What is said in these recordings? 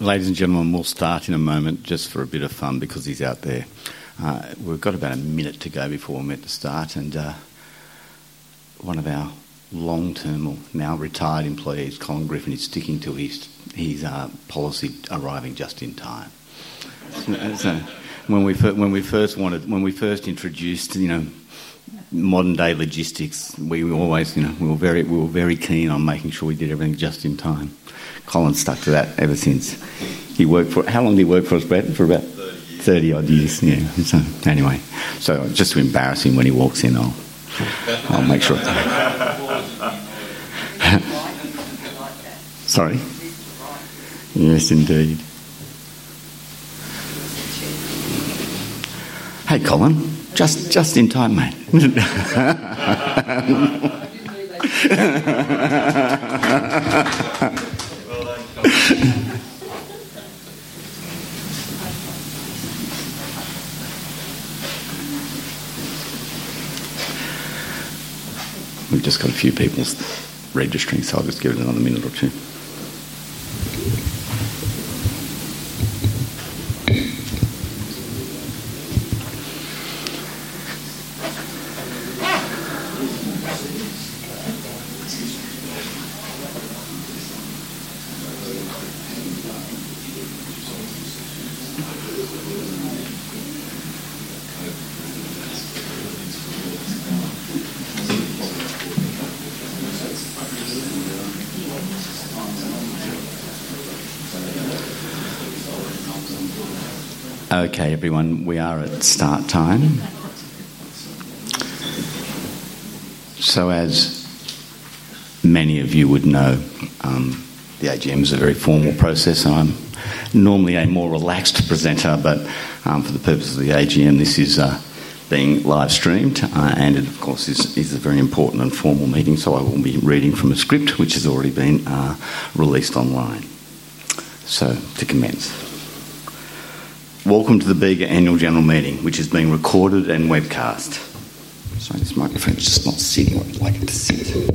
Ladies and gentlemen, we'll start in a moment. Just for a bit of fun, because he's out there. We've got about a minute to go before we're meant to start and one of our long-term now retired employees, Colin Griffin, is sticking to his policy. Arriving just in time. When we first introduced modern day logistics, we were very keen on making sure we did everything just in time. Colin stuck to that ever since he worked for us. How long did he work for us for? About 30 odd years. Anyway, just to embarrass him when he walks in, I'll make sure. Sorry. Yes, indeed. Hey, Colin. Just in time, mate. We've just got a few people registering, so I'll just give it another minute or two. Okay, everyone, we are at start time. As many of you would know, the AGM is a very formal process. I'm normally a more relaxed presenter, but for the purposes of the AGM, this is being live streamed and it of course is a very important and formal meeting. I will be reading from a script which has already been released online. To commence, welcome to the Bega Annual General Meeting which is being recorded and webcast. Sorry, this microphone is just not sitting what I'd like it to set.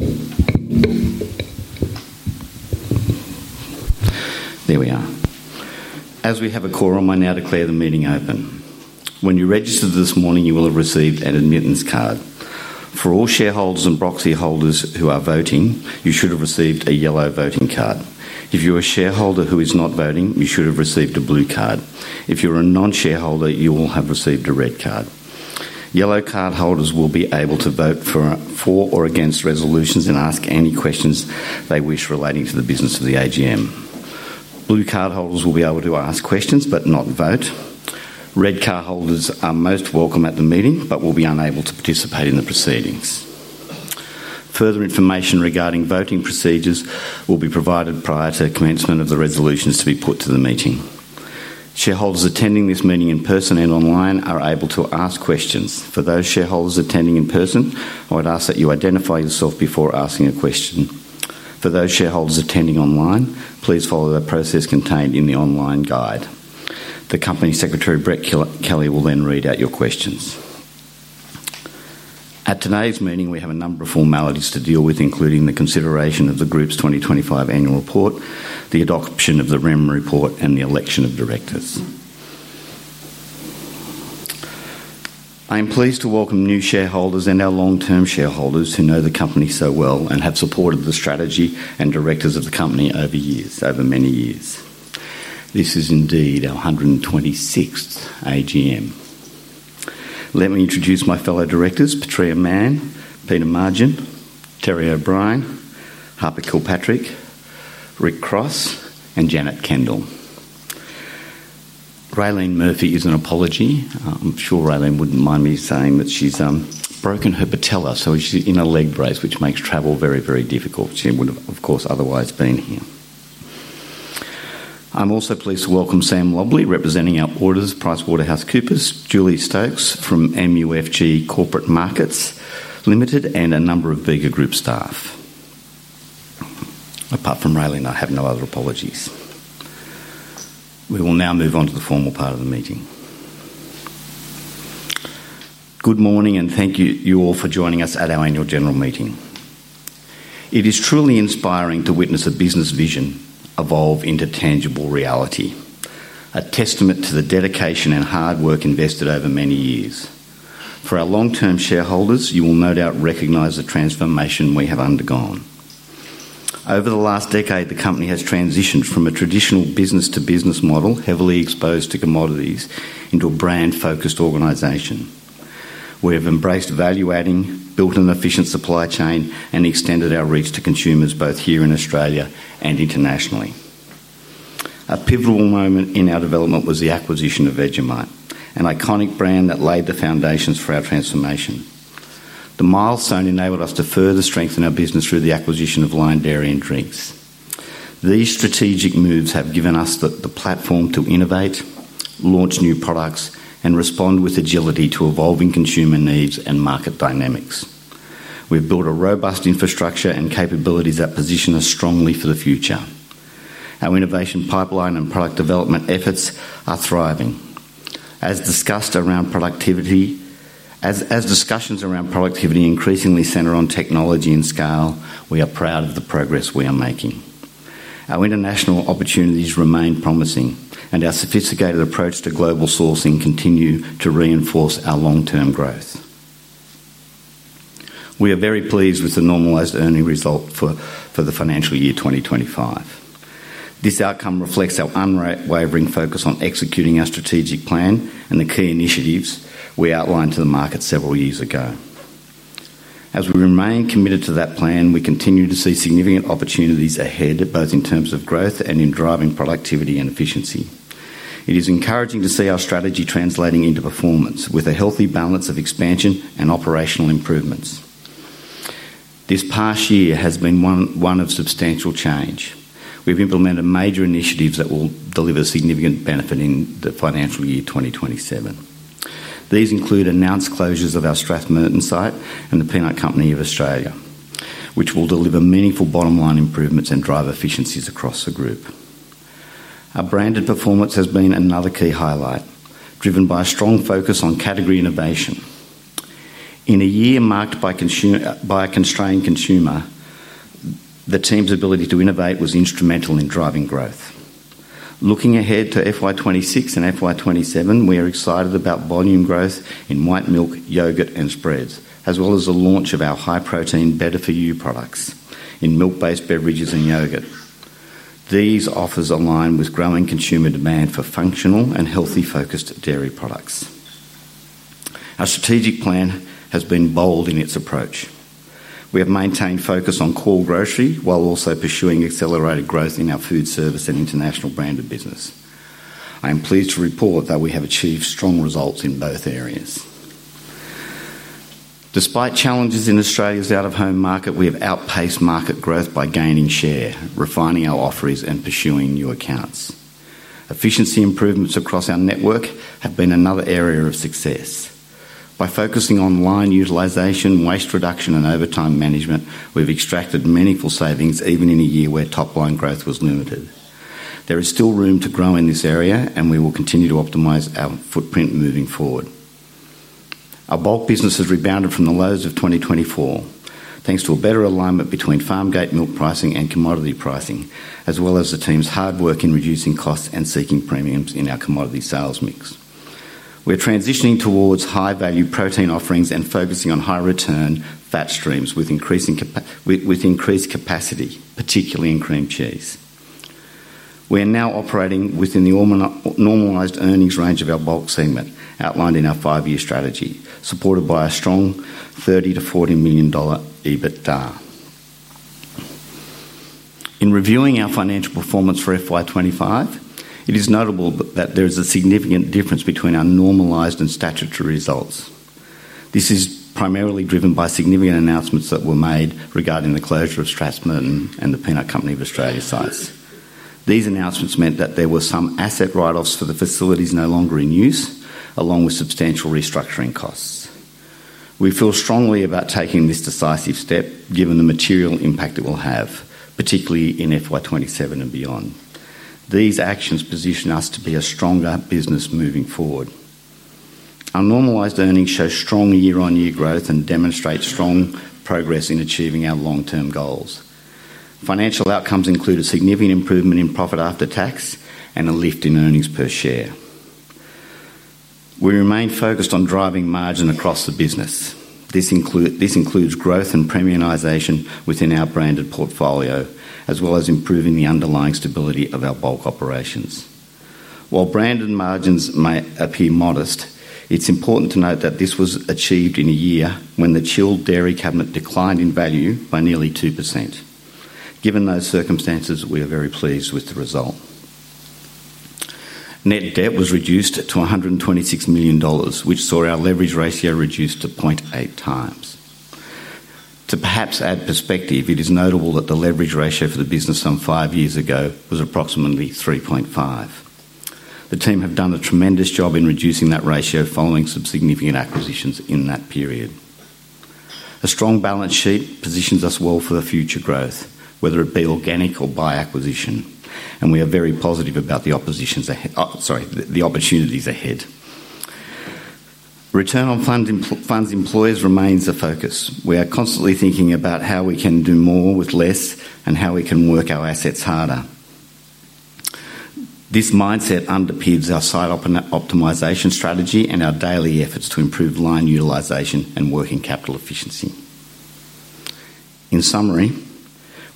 There we are. As we have a quorum, I now declare the meeting open. When you registered this morning, you will have received an admittance card. For all shareholders and proxy holders who are voting, you should have received a yellow voting card. If you are a shareholder who is not voting, you should have received a blue card. If you are a non-shareholder, you will have received a red card. Yellow cardholders will be able to vote for or against resolutions and ask any questions they wish relating to the business of the AGM. Blue cardholders will be able to ask questions but not vote. Red cardholders are most welcome at the meeting but will be unable to participate in the proceedings. Further information regarding voting procedures will be provided prior to commencement of the resolutions to be put to the meeting. Shareholders attending this meeting in person and online are able to ask questions. For those shareholders attending in person, I would ask that you identify yourself before asking a question. For those shareholders attending online, please follow the process contained in the online guide. The Company Secretary, Brett Kelly, will then read out your questions. At today's meeting, we have a number of formalities to deal with, including the consideration of the group's 2025 annual report, the adoption of the remuneration report, and the election of directors. I am pleased to welcome new shareholders and our long-term shareholders who know the company so well and have supported the strategy and directors of the company over many years. This is indeed our 126th AGM. Let me introduce my fellow directors: Patria Mann, Peter Margin, Terry O’Brien, Harper Kilpatrick, Rick Cross, and Janette Kendall. Raelene Murphy is an apology. I'm sure Raelene wouldn't mind me saying that she's broken her patella, so she's in a leg brace which makes travel very, very difficult. She would have, of course, otherwise been here. I'm also pleased to welcome Sam Lobley, representing our auditors, PricewaterhouseCoopers, Julie Stokes from MUFG Corporate Markets Limited, and a number of Bega Group staff. Apart from Raelene, I have no other apologies. We will now move on to the formal part of the meeting. Good morning and thank you all for joining us at our annual general meeting. It is truly inspiring to witness a business vision evolve into tangible reality, a testament to the dedication and hard work invested over many years. For our long-term shareholders, you will no doubt recognize the transformation we have undergone over the last decade. The company has transitioned from a traditional business-to-business model, heavily exposed to commodities, into a brand-focused organization. We have embraced value adding, built an efficient supply chain, and extended our reach to consumers both here in Australia and internationally. A pivotal moment in our development was the acquisition of Vegemite, an iconic brand that laid the foundations for our transformation. The milestone enabled us to further strengthen our business through the acquisition of Lion Dairy & Drinks. These strategic moves have given us the platform to innovate, launch new products, and respond with agility to evolving consumer needs and market dynamics. We've built a robust infrastructure and capabilities that position us strongly for the future. Our innovation pipeline and product development efforts are thriving as discussions around productivity increasingly center on technology and scale. We are proud of the progress we are making. Our international opportunities remain promising, and our sophisticated approach to global sourcing continues to reinforce our long-term growth. We are very pleased with the normalized earning result for the financial year 2025. This outcome reflects our unwavering focus on executing our strategic plan and the key initiatives we outlined to the market several years ago. As we remain committed to that plan, we continue to see significant opportunities ahead both in terms of growth and in driving productivity and efficiency. It is encouraging to see our strategy translating into performance with a healthy balance of expansion and operational improvements. This past year has been one of substantial change. We've implemented major initiatives that will deliver significant benefit in the financial year 2027. These include announced closures of our Strathmerton site and the Peanut Company of Australia, which will deliver meaningful bottom line improvements and drive efficiencies across the group. Our branded performance has been another key highlight, driven by a strong focus on category innovation. In a year marked by a constrained consumer, the team's ability to innovate was instrumental in driving growth. Looking ahead to FY 2026 and FY 2027, we are excited about volume growth in white milk, yogurt, and spreads as well as the launch of our high-protein better for you products in milk-based beverages and yogurt. These offers align with growing consumer demand for functional and healthy focused dairy products. Our strategic plan has been bold in its approach. We have maintained focus on core grocery while also pursuing accelerated growth in our foodservice and international branded business. I am pleased to report that we have achieved strong results in both areas despite challenges in Australia's out of home market. We have outpaced market growth by gaining share, refining our offerings, and pursuing new accounts. Efficiency improvements across our network have been another area of success. By focusing on line utilization, waste reduction, and overtime management, we've extracted meaningful savings even in a year where top line growth was limited. There is still room to grow in this area and we will continue to optimize our footprint moving forward. Our bulk business has rebounded from the lows of 2024 thanks to a better alignment between Farmgate milk pricing and commodity pricing as well as the team's hard work in reducing costs and seeking premiums in our commodity sales mix. We're transitioning towards high value protein offerings and focusing on high return fat streams with increased capacity, particularly in cream cheese. We are now operating within the normalized earnings range of our bulk segment outlined in our five year strategy, supported by a strong 30 million-40 million dollar EBITDA. In reviewing our financial performance for FY 2025, it is notable that there is a significant difference between our normalized and statutory results. This is primarily driven by significant announcements that were made regarding the closure of Strathmerton and the Peanut Company of Australia sites. These announcements meant that there were some asset write-offs for the facilities no longer in use, along with substantial restructuring costs. We feel strongly about taking this decisive step given the material impact it will have, particularly in FY 2027 and beyond. These actions position us to be a stronger business moving forward. Our normalized earnings show strong year on year growth and demonstrate strong progress in achieving our long term goals. Financial outcomes include a significant improvement in profit after tax and a lift in earnings per share. We remain focused on driving margin across the business. This includes growth and premiumization within our branded portfolio as well as improving the underlying stability of our bulk operations. While branded margins may appear modest, it's important to note that this was achieved in a year when the chilled dairy cabinet declined in value by nearly 2%. Given those circumstances, we are very pleased with the result. Net debt was reduced to 126 million dollars, which saw our leverage ratio reduced to 0.8x. To perhaps add perspective, it is notable that the leverage ratio for the business some five years ago was approximately 3.5x. The team have done a tremendous job in reducing that ratio following some significant acquisitions in that period. A strong balance sheet positions us well for the future growth, whether it be organic or by acquisition, and we are very positive about the opportunities ahead. Return on funds employed remains the focus. We are constantly thinking about how we can do more with less and how we can work our assets harder. This mindset underpins our site optimization strategy and our daily efforts to improve line utilization and working capital efficiency. Efficiency in summary,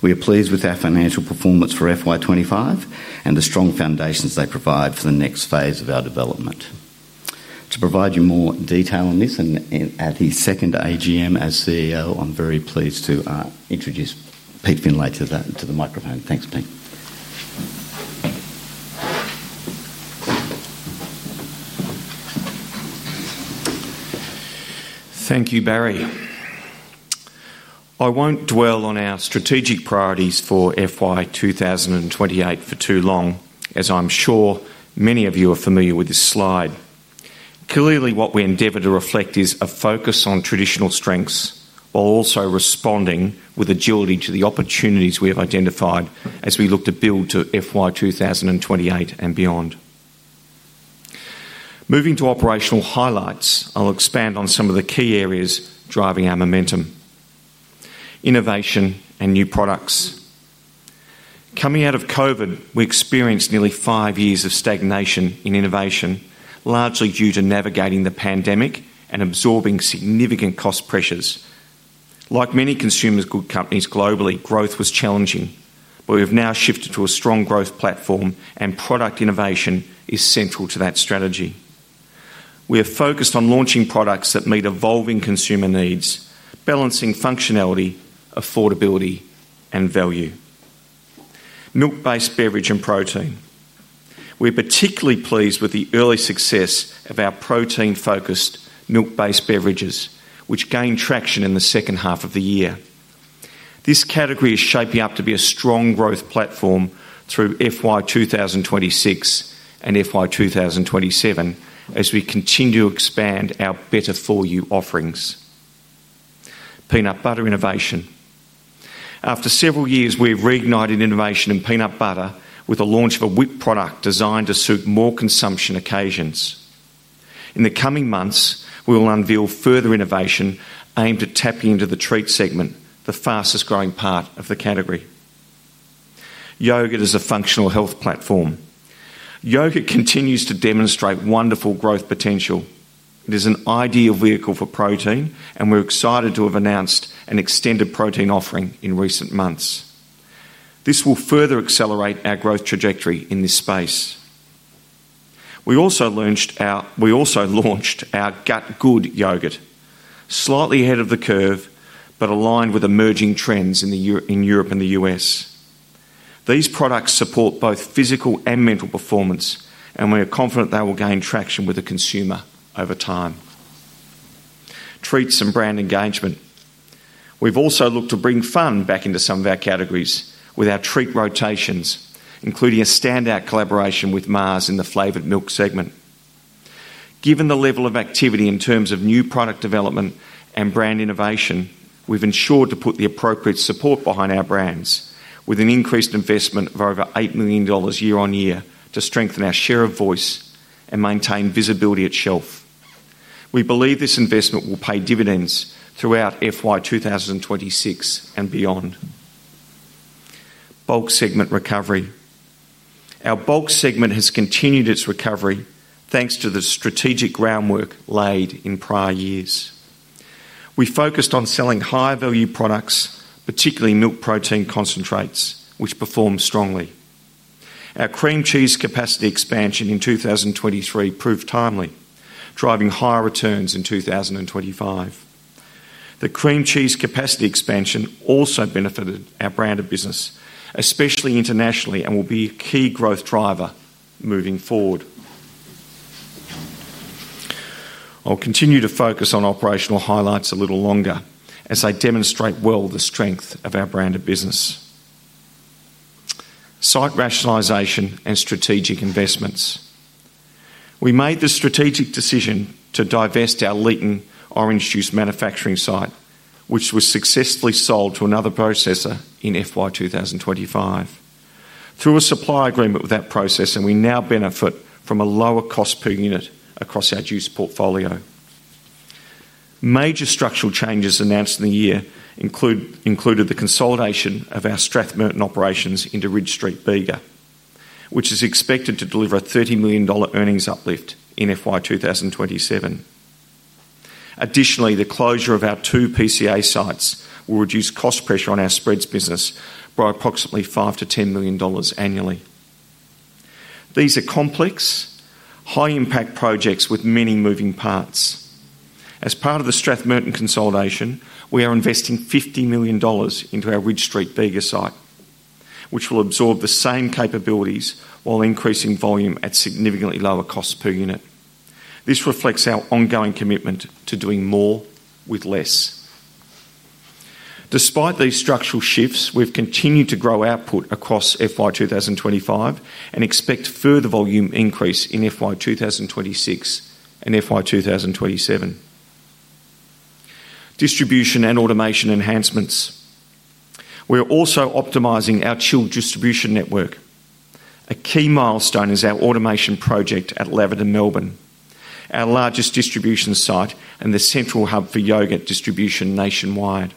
we are pleased with our financial performance for FY 2025 and the strong foundations they provide for the next phase of our development. To provide you more detail on this and at his second AGM as CEO, I'm very pleased to introduce Pete Findlay to the microphone. Thanks, Pete. Thank you Barry. I won't dwell on our strategic priorities for FY 2028 for too long as I'm sure many of you are familiar with this slide. Clearly, what we endeavor to reflect is a focus on traditional strengths while also responding with agility to the opportunities we have identified as we look to build to FY 2028 and beyond. Moving to operational highlights, I'll expand on some of the key areas driving our momentum, innovation, and new products. Coming out of COVID, we experienced nearly five years of stagnation in innovation largely due to navigating the pandemic and absorbing significant cost pressures. Like many consumer goods companies globally, growth was challenging, but we have now shifted to a strong growth platform and product innovation is central to that strategy. We are focused on launching products that meet evolving consumer needs, balancing functionality, affordability, and value. Milk Based Beverage and Protein: we're particularly pleased with the early success of our protein-focused milk based beverages, which gained traction in the second half of the year. This category is shaping up to be a strong growth platform through FY 2026 and FY 2027 as we continue to expand our better-for-you offerings. Peanut Butter Innovation: after several years, we have reignited innovation in peanut butter with the launch of a WIP product designed to suit more consumption occasions. In the coming months, we will unveil further innovation aimed at tapping into the treat segment, the fastest growing part of the category. Yogurt is a functional health platform. Yogurt continues to demonstrate wonderful growth potential. It is an ideal vehicle for protein and we're excited to have announced an extended protein offering in recent months. This will further accelerate our growth trajectory in this space. We also launched our Gut Good Yogurt slightly ahead of the curve but aligned with emerging trends in Europe and the U.S. These products support both physical and mental performance and we are confident they will gain traction with the consumer over time. Treats and Brand Engagement: we've also looked to bring fun back into some of our categories with our treat rotations, including a standout collaboration with Mars in the flavored milk segment. Given the level of activity in terms of new product development and brand innovation, we've ensured to put the appropriate support behind our brands with an increased investment of over 8 million dollars year on year to strengthen our share of voice and maintain visibility at shelf. We believe this investment will pay dividends throughout FY 2026 and beyond. Bulk Segment Recovery. Our bulk segment has continued its recovery thanks to the strategic groundwork laid in prior years. We focused on selling high value products, particularly milk protein concentrates which performed strongly. Our cream cheese capacity expansion in 2023 proved timely, driving higher returns in 2025. The cream cheese capacity expansion also benefited our branded business, especially internationally, and will be a key growth driver moving forward. I'll continue to focus on operational highlights a little longer as they demonstrate well the strength of our branded business. Site Rationalisation and Strategic Investments We made the strategic decision to divest our Leighton orange juice manufacturing site, which was successfully sold to another processor in FY 2025 through a supply agreement with that processor, and we now benefit from a lower cost per unit across our juice portfolio. Major structural changes announced in the year included the consolidation of our Strathmerton operations into Ridge Street Bega, which is expected to deliver a 30 million dollar earnings uplift in FY 2027. Additionally, the closure of our two Peanut Company of Australia sites will reduce cost pressure on our spreads business by approximately 5 million-10 million dollars annually. These are complex, high impact projects with many moving parts. As part of the Strathmerton consolidation, we are investing 50 million dollars into our Ridge Street Bega site, which will absorb the same capabilities while increasing volume at significantly lower cost per unit. This reflects our ongoing commitment to doing more with less. Despite these structural shifts, we've continued to grow output across FY 2025 and expect further volume increase in FY 2026 and FY 2027. Distribution and Automation Enhancements We are also optimizing our chill distribution network. A key milestone is our automation project at Laverton, Melbourne, our largest distribution site and the central hub for yogurt distribution nationwide.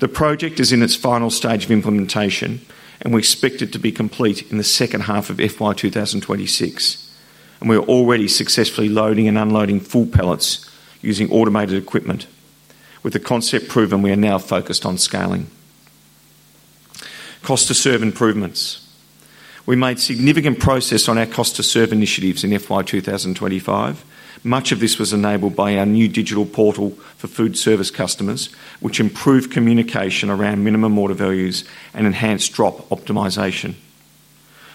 The project is in its final stage of implementation and we expect it to be complete in the second half of FY 2026. We are already successfully loading and unloading full pallets using automated equipment. With the concept proven, we are now focused on scaling cost to serve improvements. We made significant progress on our cost to serve initiatives in FY 2025. Much of this was enabled by our new digital portal for food service customers, which improved communication around minimum order values and enhanced drop optimization.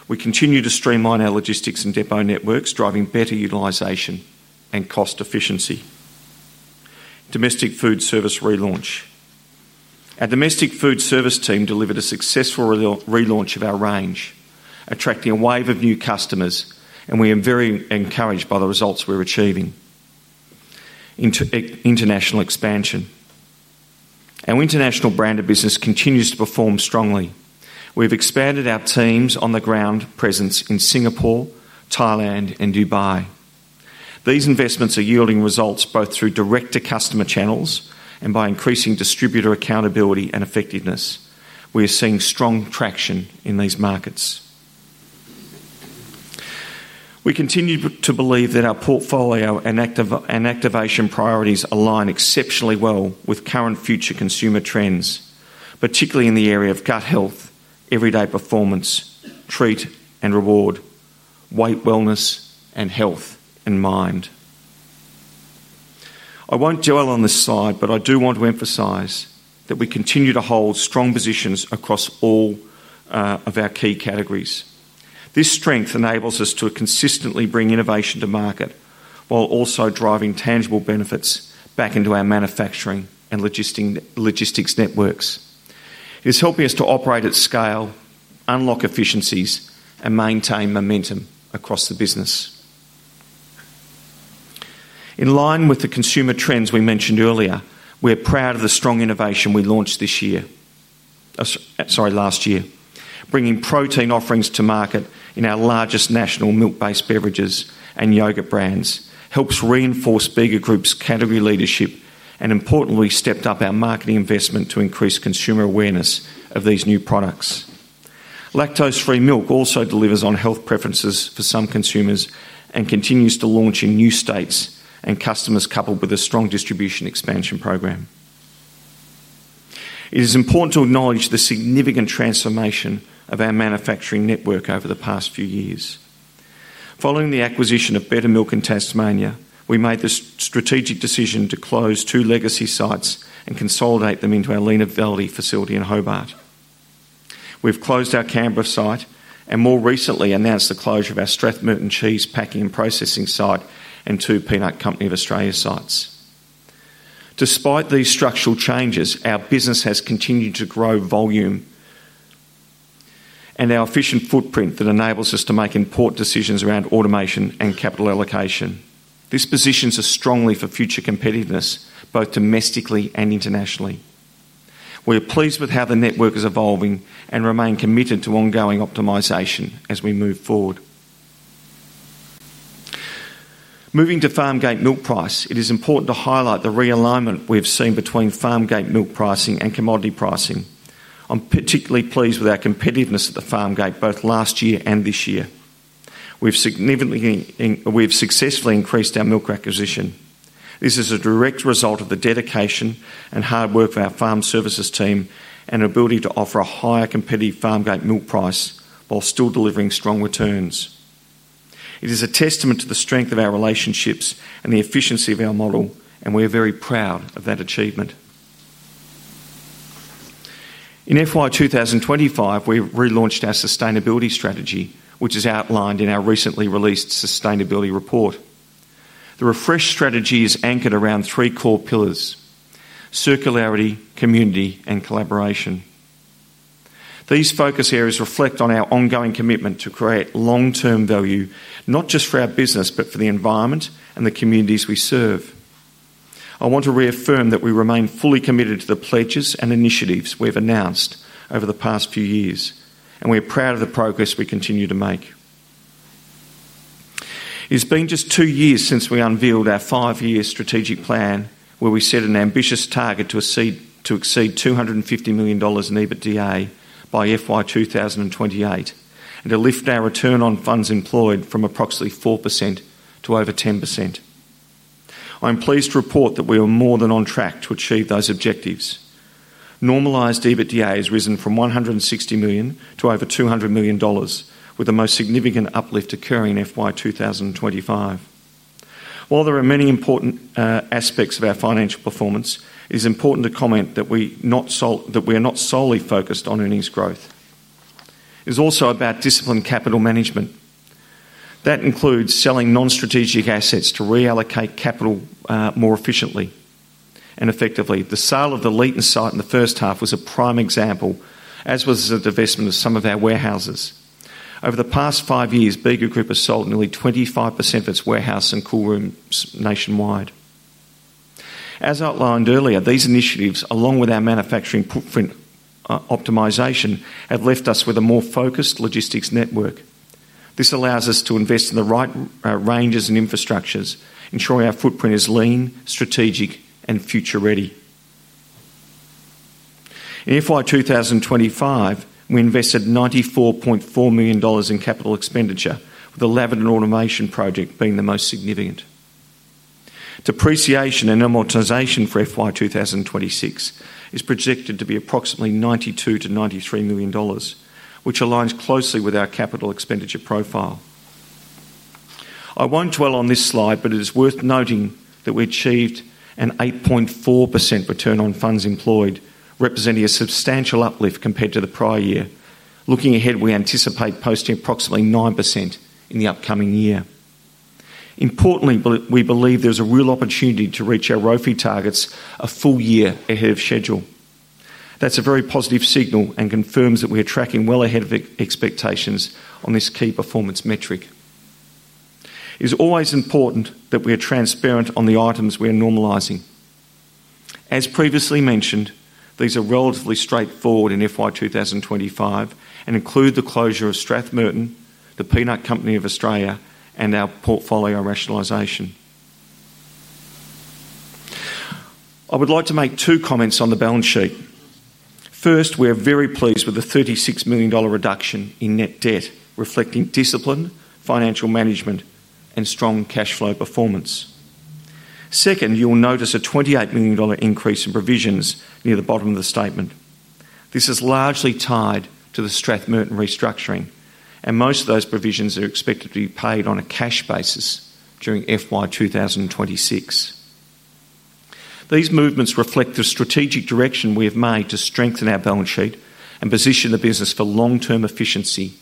We continue to streamline our logistics and depot networks, driving better utilization and cost efficiency. Domestic Food Service Relaunch Our domestic food service team delivered a successful relaunch of our range, attracting a wave of new customers, and we are very encouraged by the results we're achieving. International Expansion Our international branded business continues to perform strongly. We've expanded our teams' on-the-ground presence in Singapore, Thailand, and Dubai. These investments are yielding results both through direct-to-customer channels and by increasing distributor accountability and effectiveness. We are seeing strong traction in these markets. We continue to believe that our portfolio and activation priorities align exceptionally well with current and future consumer trends, particularly in the area of gut health, everyday performance, treat and reward, weight, wellness, and health in mind. I won't dwell on this slide, but I do want to emphasize that we continue to hold strong positions across all of our key categories. This strength enables us to consistently bring innovation to market while also driving tangible benefits back into our manufacturing and logistics networks. It is helping us to operate at scale, unlock efficiencies, and maintain momentum across the business. In line with the consumer trends we mentioned earlier, we are proud of the strong innovation we launched this year—sorry, last year. Bringing protein offerings to market in our largest national milk-based beverages and yogurt brands helps reinforce Bega Group's category leadership and importantly stepped up our marketing investment to increase consumer awareness of these new products. Lactose free milk also delivers on health preferences for some consumers and continues to launch in new states and customers. Coupled with a strong distribution expansion program, it is important to acknowledge the significant transformation of our manufacturing network over the past few years. Following the acquisition of Betta Milk in Tasmania, we made the strategic decision to close two legacy sites and consolidate them into our Lenah Valley facility in Hobart. We've closed our Canberra site and more recently announced the closure of our Strathmerton cheese packing and processing site and two Peanut Company of Australia sites. Despite these structural changes, our business has continued to grow volume and our efficient footprint enables us to make important decisions around automation and capital allocation. This positions us strongly for future competitiveness both domestically and internationally. We are pleased with how the network is evolving and remain committed to ongoing optimization as we move forward. Moving to Farmgate Milk Price, it is important to highlight the realignment we have seen between Farmgate milk pricing and commodity pricing. I'm particularly pleased with our competitiveness at the Farmgate. Both last year and this year we've successfully increased our milk acquisition. This is a direct result of the dedication and hard work of our farm services team and ability to offer a higher competitive Farmgate Milk Price while still delivering strong returns. It is a testament to the strength of our relationships and the efficiency of our model and we are very proud of that achievement. In FY 2025 we relaunched our Sustainability Strategy which is outlined in our recently released Sustainability Report. The refreshed strategy is anchored around three core pillars: Circularity, Community, and Collaboration. These focus areas reflect our ongoing commitment to create long-term value not just for our business but for the environment and the communities we serve. I want to reaffirm that we remain fully committed to the pledges and initiatives we have announced over the past few years and we are proud of the progress we continue to make. It's been just two years since we unveiled our five-year strategic plan where we set an ambitious target to exceed 250 million dollars in EBITDA by FY 2028 and to lift our return on funds employed from approximately 4% to over 10%. I am pleased to report that we are more than on track to achieve those objectives. Normalized EBITDA has risen from 160 million to over 200 million dollars with the most significant uplift occurring in FY 2025. While there are many important aspects of our financial performance, it is important to comment that we are not solely focused on earnings growth. It is also about disciplined capital management that includes selling non-strategic assets to reallocate capital more efficiently and effectively. The sale of the Laverton site in the first half was a prime example, as was the divestment of some of our warehouses. Over the past five years Bega Group has sold nearly 25% of its warehouse and cool rooms nationwide. As outlined earlier, these initiatives along with our manufacturing footprint optimization have left us with a more focused logistics network. This allows us to invest in the right ranges and infrastructure, ensuring our footprint is lean, strategic, and Future Ready. In FY 2025 we invested 94.4 million dollars in capital expenditure with the Laverton Automation project being the most significant. Depreciation and amortization for FY 2026 is projected to be approximately 92 million-93 million dollars, which aligns closely with our capital expenditure profile. I won't dwell on this slide, but it is worth noting that we achieved an 8.4% return on funds employed, representing a substantial uplift compared to the prior year. Looking ahead, we anticipate posting approximately 9% in the upcoming year. Importantly, we believe there is a real opportunity to reach our ROFE targets a full year ahead of schedule. That's a very positive signal and confirms that we are tracking well ahead of expectations on this key performance metric. It is always important that we are transparent on the items we are normalizing. As previously mentioned, these are relatively straightforward in FY 2025 and include the closure of Strathmerton, the Peanut Company of Australia, and our portfolio rationalization. I would like to make two comments on the balance sheet. First, we are very pleased with the 36 million dollar reduction in net debt, reflecting disciplined financial management and strong cash flow performance. Second, you will notice a 28 million dollar increase in provisions near the bottom of the statement. This is largely tied to the Strathmerton restructuring and most of those provisions are expected to be paid on a cash basis during FY 2026. These movements reflect the strategic direction we have made to strengthen our balance sheet and position the business for long-term efficiency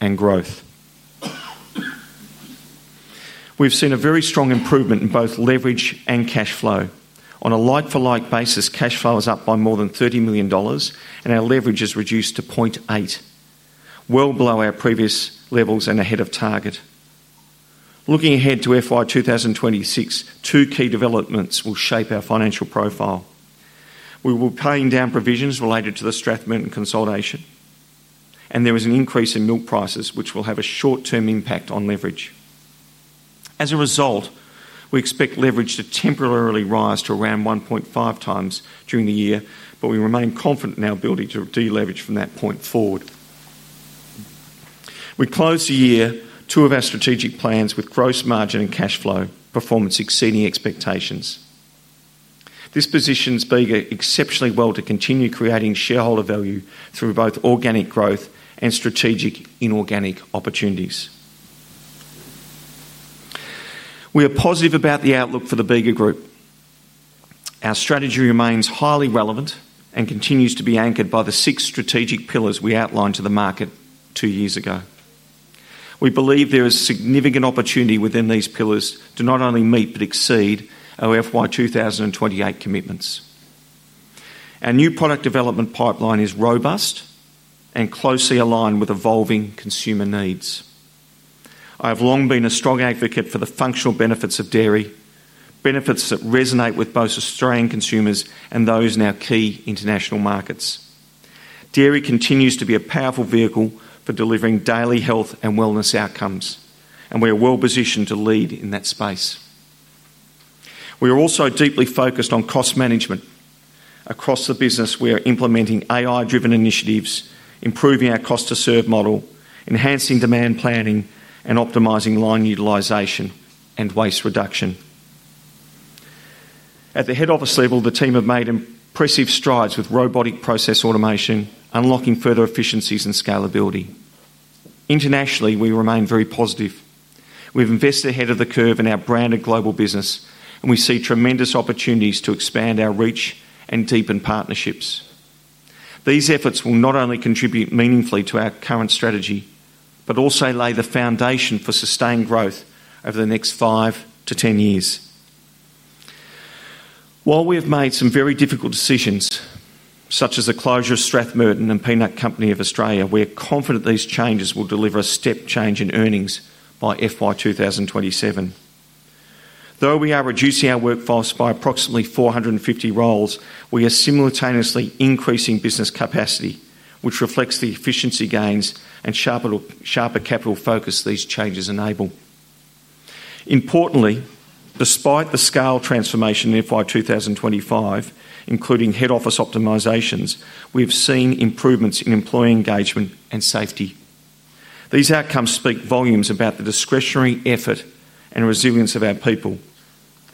and growth. We have seen a very strong improvement in both leverage and cash flow on a like-for-like basis. Cash flow is up by more than 30 million dollars and our leverage is reduced to 0.8x, well below our previous levels and ahead of target. Looking ahead to FY 2026, two key developments will shape our financial profile. We will be paying down provisions related to the Strathmerton consolidation and there is an increase in milk prices which will have a short-term impact on leverage. As a result, we expect leverage to temporarily rise to around 1.5x during the year, but we remain confident in our ability to deleverage from that point forward. We closed year two of our strategic plans with gross margin and cash flow performing, exceeding expectations. This positions Bega exceptionally well to continue creating shareholder value through both organic growth and strategic inorganic opportunities. We are positive about the outlook for the Bega Group. Our strategy remains highly relevant and continues to be anchored by the six strategic pillars we outlined to the market two years ago. We believe there is significant opportunity within these pillars to not only meet but exceed our FY 2028 commitments. Our new product development pipeline is robust and closely aligned with evolving consumer needs. I have long been a strong advocate for the functional benefits of dairy, benefits that resonate with both Australian consumers and those in our key international markets. Dairy continues to be a powerful vehicle for delivering daily health and wellness outcomes and we are well positioned to lead in that space. We are also deeply focused on cost management. Across the business, we are implementing AI-driven initiatives, improving our cost to serve model, enhancing demand planning, and optimizing line utilization and waste reduction. At the Head Office level, the team have made impressive strides with robotic process automation, unlocking further efficiencies and scalability internationally. We remain very positive. We've invested ahead of the curve in our branded global business and we see tremendous opportunities to expand our reach and deepen partnerships. These efforts will not only contribute meaningfully to our current strategy, but also lay the foundation for sustained growth over the next five to ten years. While we have made some very difficult decisions such as the closure of Strathmerton and Peanut Company of Australia, we are confident these changes will deliver a step change in earnings by FY 2027. Though we are reducing our workforce by approximately 450 roles, we are simultaneously increasing business capacity, which reflects the efficiency gains and sharper capital focus these changes enable. Importantly, despite the scale transformation in FY 2025, including head office optimizations, we have seen improvements in employee engagement and safety. These outcomes speak volumes about the discretionary effort and resilience of our people,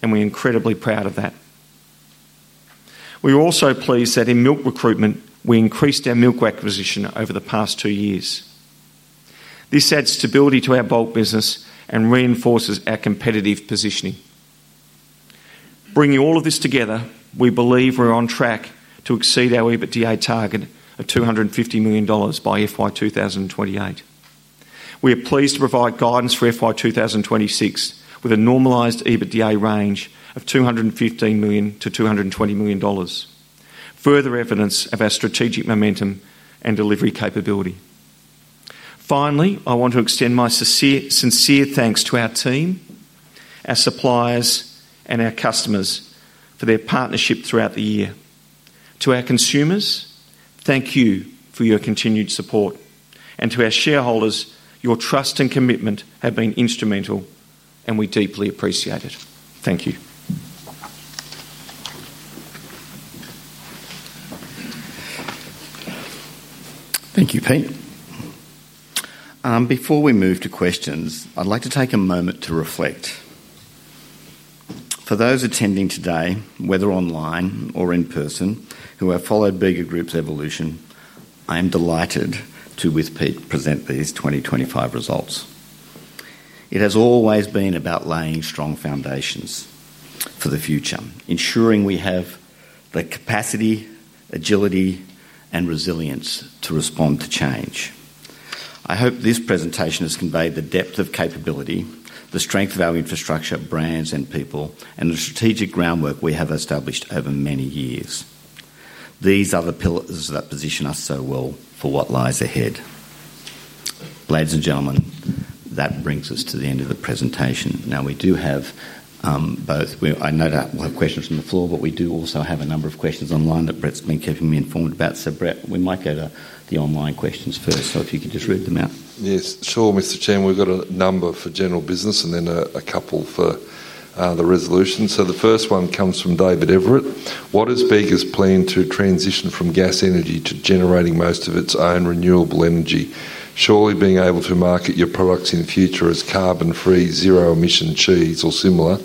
and we are incredibly proud of that. We are also pleased that in milk recruitment we increased our milk acquisition over the past two years. This adds stability to our bulk business and reinforces our competitive positioning. Bringing all of this together, we believe we're on track to exceed our EBITDA target of 250 million dollars by FY 2028. We are pleased to provide guidance for FY 2026 with a normalized EBITDA range of 215 million-220 million dollars, further evidence of our strategic momentum and delivery capability. Finally, I want to extend my sincere thanks to our team, our suppliers, and our customers for their partnership throughout the year. To our consumers, thank you for your continued support, and to our shareholders, your trust and commitment have been instrumental. We deeply appreciate it. Thank you. Thank you, Pete. Before we move to questions, I'd like to take a moment to reflect. For those attending today, whether online or in person, who have followed Bega Group's evolution, I am delighted to, with Pete, present these 2025 results. It has always been about laying strong foundations for the future, ensuring we have the capacity, agility, and resilience to respond to change. I hope this presentation has conveyed the depth of capability, the strength of our infrastructure, brands, and people, and the strategic groundwork we have established over many years. These are the pillars that position us so well for what lies ahead. Ladies and gentlemen, that brings us to the end of the presentation. We do have both. I no doubt we'll have questions from the floor, but we do also have a number of questions online that Brett's been keeping me informed about. Brett, we might go to the online questions first, so if you could just read them out. Yes, sure, Mr. Chairman. We've got a number for general business and then a couple for the resolution. The first one comes from David Everett. What is Bega's plan to transition from gas energy to generating most of its own renewable energy? Surely being able to market your products in future as carbon free, zero emission cheese or similar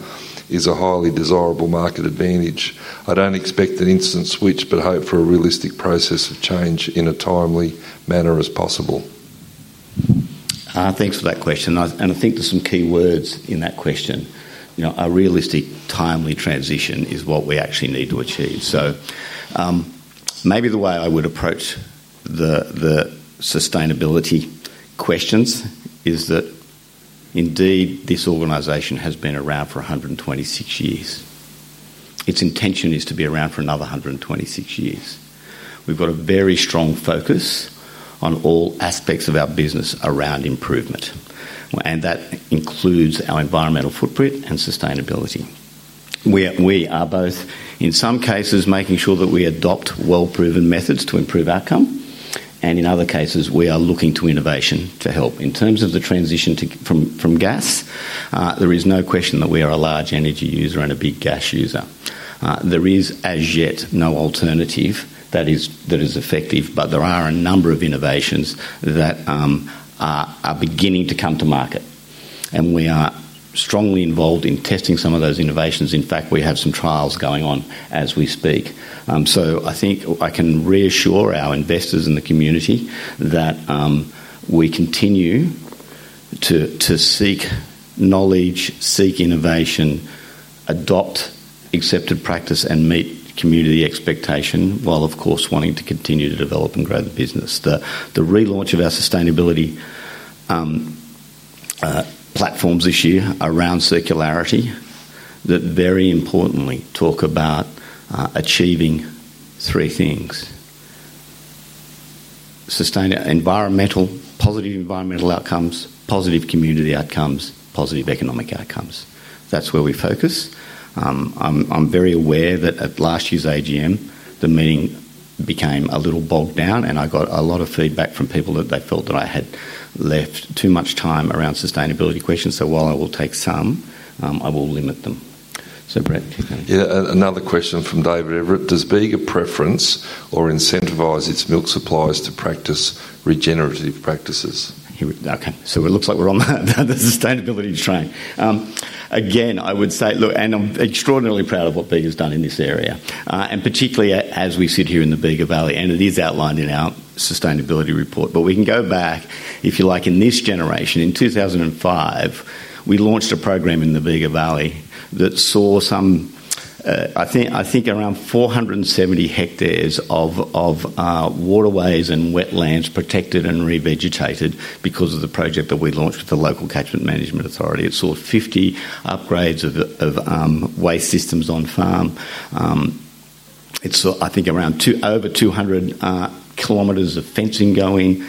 is a highly desirable market advantage. I don't expect an instant switch, but hope for a realistic process of change in a timely manner as possible. Thanks for that question, and I think there's some key words in that question. You know, a realistic, timely transition is what we actually need to achieve. Maybe the way I would approach the sustainability questions is that indeed this organization has been around for 126 years. Its intention is to be around for another 126 years. We've got a very strong focus on all aspects of our business around improvement, and that includes our environmental footprint and sustainability. We are both in some cases making sure that we adopt well-proven methods to improve outcome, and in other cases we are looking to innovation to help. In terms of the transition from gas, there is no question that we are a large energy user and a big gas user. There is as yet no alternative that is effective. There are a number of innovations that are beginning to come to market, and we are strongly involved in testing some of those innovations. In fact, we have some trials going on as we speak. I think I can reassure our investors in the community that we continue to seek knowledge, seek innovation, adopt accepted practice, and meet community expectation, while of course wanting to continue to develop and grow the business. The relaunch of our sustainability platforms this year around circularity very importantly talks about achieving three things: sustain positive environmental outcomes, positive community outcomes, positive economic outcomes. That's where we focus. I'm very aware that at last year's AGM the meeting became a little bogged down, and I got a lot of feedback from people that they felt that I had left too much time around sustainability questions. While I will take some, I will limit them. Brett. Another question from David Everett. Does Bega preference or incentivize its milk suppliers to practice regenerative practices? Okay, it looks like we're on the sustainability train again. I would say look, I'm extraordinarily proud of what Bega has done in this area and particularly as we sit here in the Bega Valley and it is outlined in our sustainability report. We can go back if you like in this generation. In 2005, we launched a program in the Bega Valley that saw some, I think, around 470 hectares of waterways and wetlands protected and revegetated because of the project that we launched at the local Catchment Management Authority. It saw 50 upgrades of waste systems on farm. I think it's around over 200 km of fencing going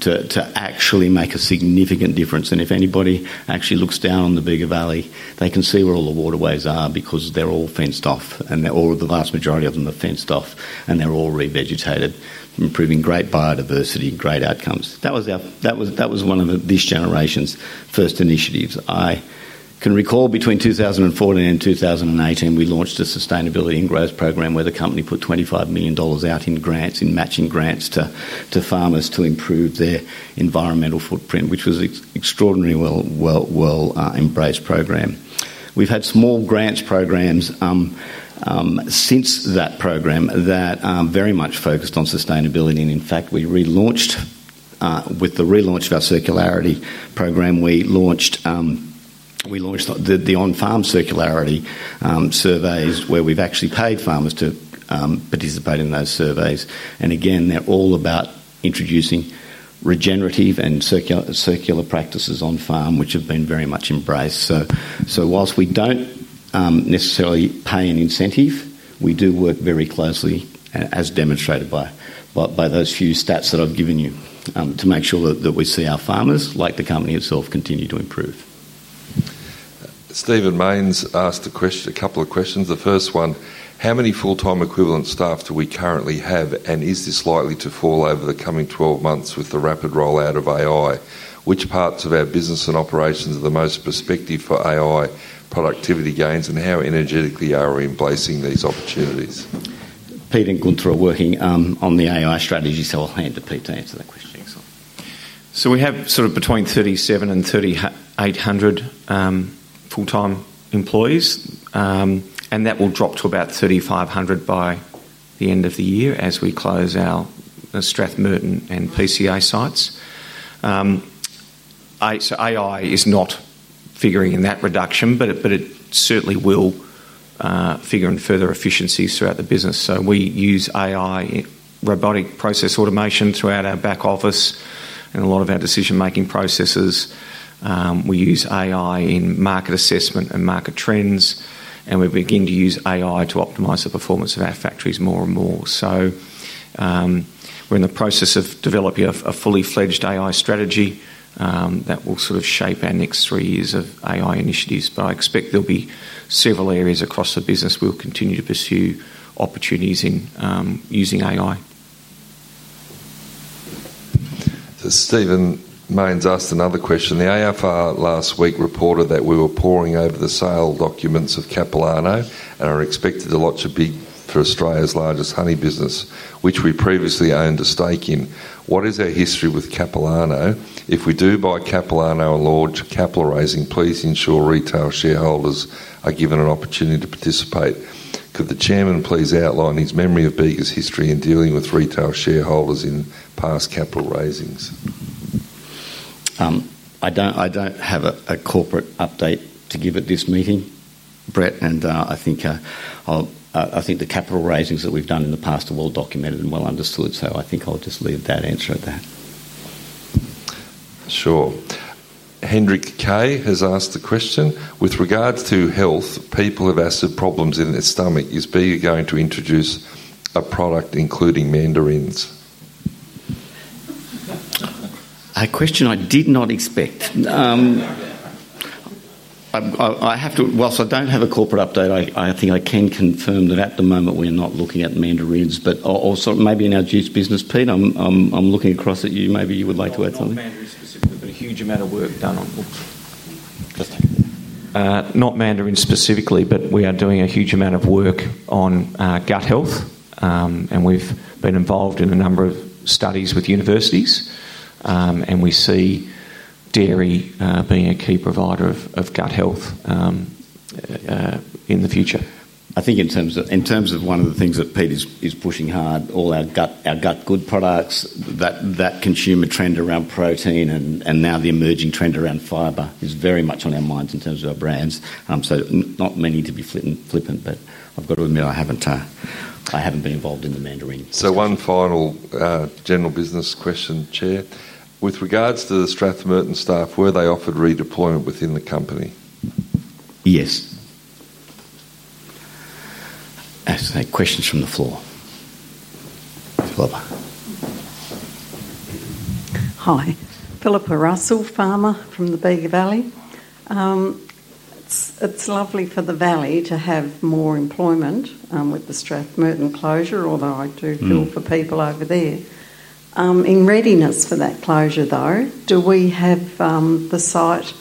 to actually make a significant difference. If anybody actually looks down on the Bega Valley, they can see where all the waterways are because they're all fenced off and the vast majority of them are fenced off and they're all revegetated, improving great biodiversity, great outcomes. That was one of this generation's first initiatives I can recall. Between 2014 and 2018, we launched a sustainability and growth program where the company put 25 million dollars out in matching grants to farmers to improve their environmental footprint, which was an extraordinarily well embraced program. We've had small grants programs since that program that very much focused on sustainability, and in fact, we relaunched with the relaunch of our circularity program. We launched the On Farm Circularity surveys where we've actually paid farmers to participate in those surveys, and again, they're all about introducing regenerative and circular practices on farm, which have been very much embraced. Whilst we don't necessarily pay an incentive, we do work very closely as demonstrated by those few stats that I've given you to make sure that we see our farmers, like the company itself, continue to improve. Stephen Mains asked a couple of questions. The first one, how many full time equivalent staff do we currently have, and is this likely to fall over the coming 12 months with the rapid rollout of AI? Which parts of our business and operations are the most prospective for AI productivity gains, and how energetically are we embracing these opportunities? Pete and Gunther are working on the AI strategy, so I'll hand to Pete to answer that questioning. We have sort of between 3,700 and 3,800 full-time employees, and that will drop to about 3,500 by the end of the year as we close our Strathmerton and PCA sites. AI is not figuring in that reduction, but it certainly will figure in further efficiencies throughout the business. We use AI robotic process automation throughout our back office and a lot of our decision-making processes. We use AI in market assessment and market trends, and we begin to use AI to optimize the performance of our factories more and more. We're in the process of developing a fully fledged AI strategy that will shape our next three years of AI initiatives. I expect there'll be several areas across the business we'll continue to pursue opportunities in using AI. Stephen Mayne's asked another question. The AFR last week reported that we were poring over the sale documents of Capilano and are expected to launch a bid for Australia's largest honey business which we previously owned a stake in. What is our history with Capilano? If we do buy Capilano and large capital raising, please ensure retail shareholders are given an opportunity to participate. Could the Chairman please outline his memory of Bega's history in dealing with retail shareholders in past capital raisings? I don't have a corporate update to give at this meeting, Brett, and I think the capital raisings that we've done in the past are well documented and well understood. I think I'll just leave that answer at that. Sure. Hendrick Kay has asked the question with regards to health, people have acid problems in their stomach. Is Bega going to introduce a product including Mandarins? A question I did not expect. Whilst I don't have a corporate update, I think I can confirm that at the moment we are not looking at mandarins but also maybe in our juice business. Pete, I'm looking across at you. Maybe you would like to add something. A huge amount of work done on not Mandarin specifically, but we are doing a huge amount of work on gut health, and we've been involved in a number of studies with universities. We see dairy being a key provider of gut health in the future. I think in terms of one of the things that Pete is pushing hard, all our gut, our gut good products. That consumer trend around protein and now the emerging trend around fiber is very much on our minds in terms of our brands. Not meaning to be flippant, but I've got to admit, I haven't been involved in the Mandarin. One final general business question. Chair, with regards to the Strathmerton staff, were they offered redeployment within the company? Yes. Questions from the floor. Philippa. Hi. Philippa Russell, farmer from the Bega Valley. It's lovely for the valley to have more employment with the Strathmerton closure, although. I do to fill for people over. There in readiness for that closure, though. Do we have the site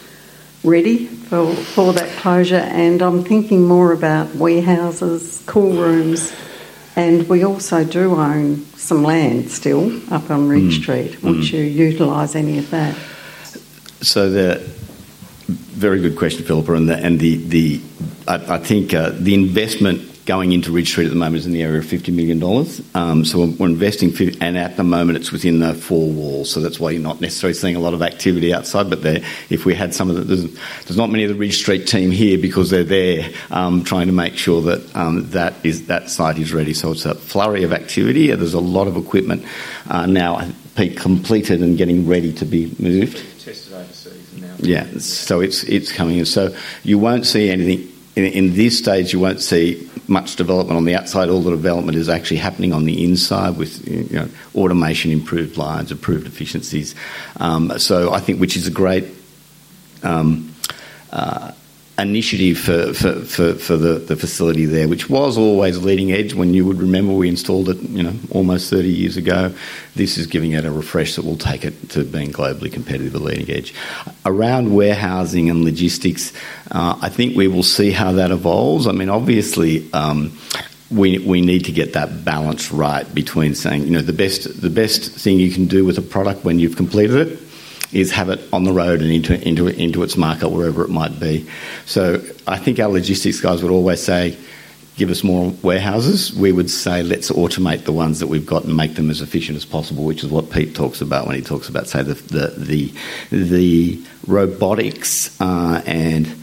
ready for that closure? I'm thinking more about warehouses, cool rooms. We also do own some land still up on Ridge Street. Would you utilize any of that? Very good question, Philippa. I think the investment going into Ridge Street at the moment is in the area of 50 million dollars. We're investing, and at the moment it's within the four walls. That's why you're not necessarily seeing a lot of activity outside. There are not many of the Ridge Street team here because they're there trying to make sure that site is ready. It's a flurry of activity. There's a lot of equipment now completed and getting ready to be moved. It's coming in. You won't see anything at this stage. You won't see much development on the outside. All the development is actually happening on the inside with automation, improved lines, improved efficiencies. I think it's a great initiative for the facility there, which was always leading edge when you would remember, we installed it almost 30 years ago. This is giving it a refresh that will take it to being globally competitive at leading edge around warehousing and logistics. We will see how that evolves. Obviously, we need to get that balance right between saying the best thing you can do with a product when you've completed it is have it on the road and into its market, wherever it might be. I think our logistics guys would always say, give us more warehouses. We would say, let's automate the ones that we've got and make them as efficient as possible, which is what Pete talks about when he talks about the robotics and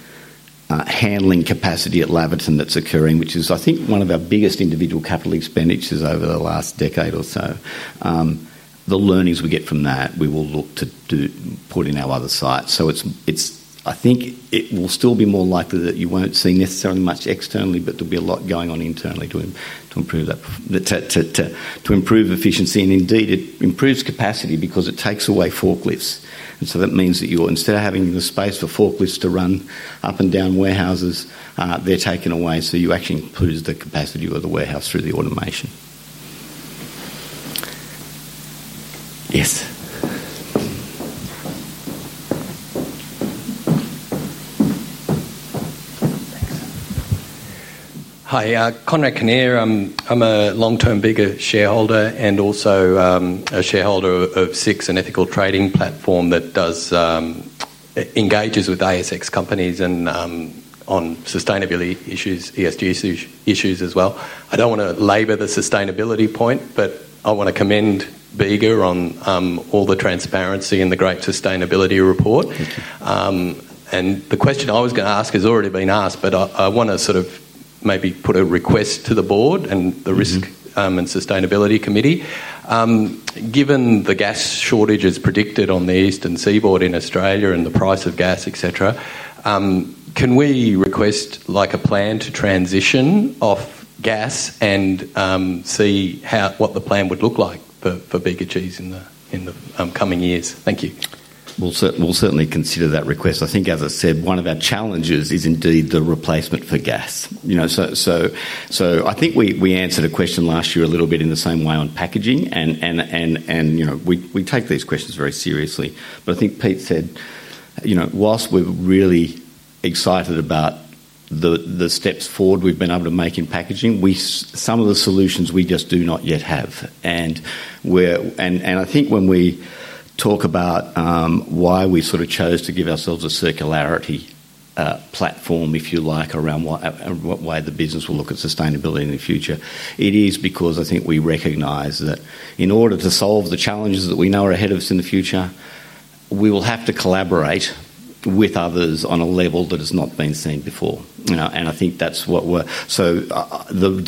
handling capacity at Laverton that's occurring, which is, I think, one of our biggest individual capital expenditures over the last decade or so. The learnings we get from that we will look to put in our other sites. I think it will still be more likely that you won't see necessarily much externally, but there'll be a lot going on internally to improve efficiency. Indeed, it improves capacity because it takes away forklifts, and so that means that instead of having the space for forklifts to run up and down warehouses, they're taken away. You actually improve the capacity of the warehouse through the automation. Yes. Hi. Conrad Kinnear. I'm a long-term Bega shareholder and also a shareholder of Six, an ethical trading platform that engages with ASX companies on sustainability issues, ESG issues as well. I don't want to labor the sustainability point, but I want to commend Bega on all the transparency in the great sustainability report. The question I was going to ask has already been asked, but I want to maybe put a request to the Board and the Risk and Sustainability Committee. Given the gas shortages predicted on the Eastern Seaboard in Australia and the price of gas, etc., can we request a plan to transition off gas and see what the plan would look like for Bega Cheese in the coming years? Thank you. We'll certainly consider that request. I think, as I said, one of our challenges is indeed the replacement for gas. I think we answered a question last year a little bit in the same way on packaging, and we take these questions very seriously. I think Pete said, whilst we're really excited about the steps forward we've been able to make in packaging, some of the solutions we just do not yet have. I think when we talk about why we chose to give ourselves a circularity platform, if you like, around what way the business will look at sustainability in the future, it is because we recognize that in order to solve the challenges that we know are ahead in the future, we will have to collaborate with others on a level that has not been seen before. The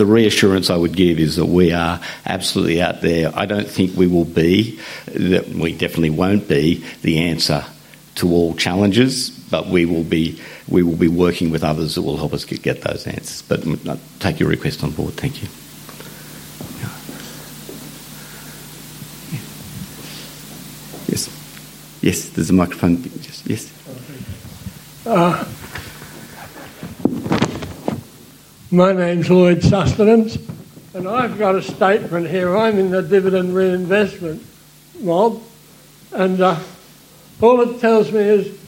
reassurance I would give is that we are absolutely out there. I don't think we will be. We definitely won't be the answer to all challenges, but we will be working with others that will help us get those answers. Take your request on board. Thank you. Yes, yes, there's a microphone. Yes. My name's Lloyd Sustenance and I've got a statement here. I'm in the dividend reinvestment mob, and all it tells me is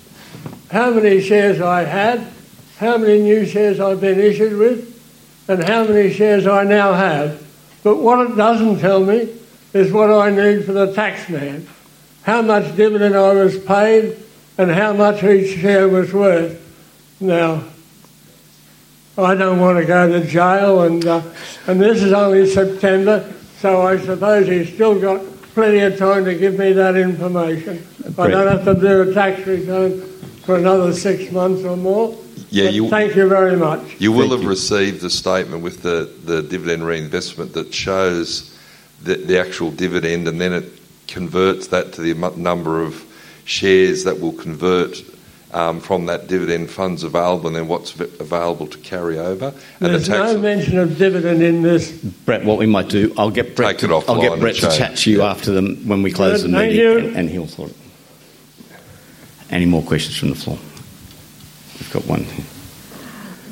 how many shares I had, how many new shares I've been issued with, and how many shares I now have. What it doesn't tell me is what I need for the tax man: how much dividend I was paid and how much each share was worth. I don't want to go to jail, and this is only September, so I suppose he's still got plenty of time to give me that information. I don't have to do a tax return for another six months or more. Yeah. Thank you very much. You will have received the statement with the dividend reinvestment that shows the actual dividend, and then it converts that to the number of shares that will convert from that dividend funds available, and then what's available to carry over. There's no mention of dividend in this. Brett, what we might do, I'll get. Take it off. I'll get Brett to chat to you after them when we close. Thank you. He'll sort it. Any more questions from the floor? We've got one.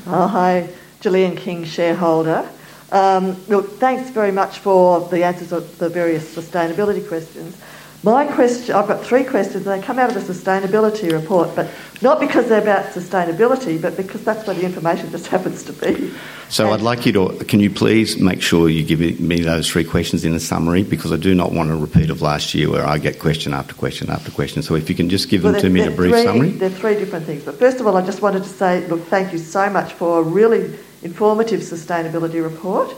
Hi, Julian King, shareholder. Thanks very much for the answers of the various sustainability questions. My question, I've got three questions. They come out of the sustainability report, not because they're about sustainability, but because that's where the information just happens to be. I'd like you to. Can you please make sure you give me those three questions in the summary? I do not want a repeat of last year where I get question after question after question. If you can just give them to me in a brief summary. There are three different things. First of all, I just wanted to say, thank you so much for a really informative sustainability report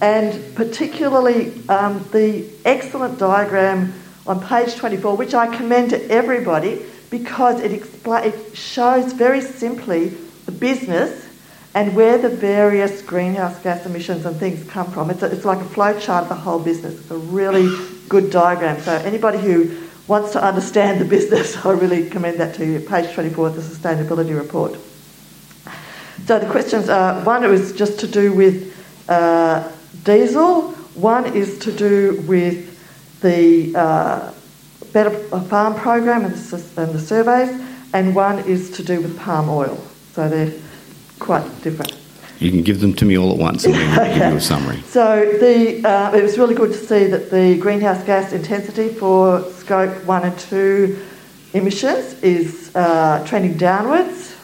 and particularly the excellent diagram on page 24, which I commend to everybody because it shows very simply the business and where the various greenhouse gas emissions and things come from. It's like a flowchart of the whole business, a really good diagram. Anybody who wants to understand the business, I really commend that to you. Page 24, the sustainability report. The questions are, one, it was just to do with diesel. One is to do with the better farm program and the surveys, and one is to do with palm oil. They're quite different. You can give them to me all at once, and we'll give you a summary. It was really good to see that the greenhouse gas intensity for scope 1 and 2 emissions is trending downwards,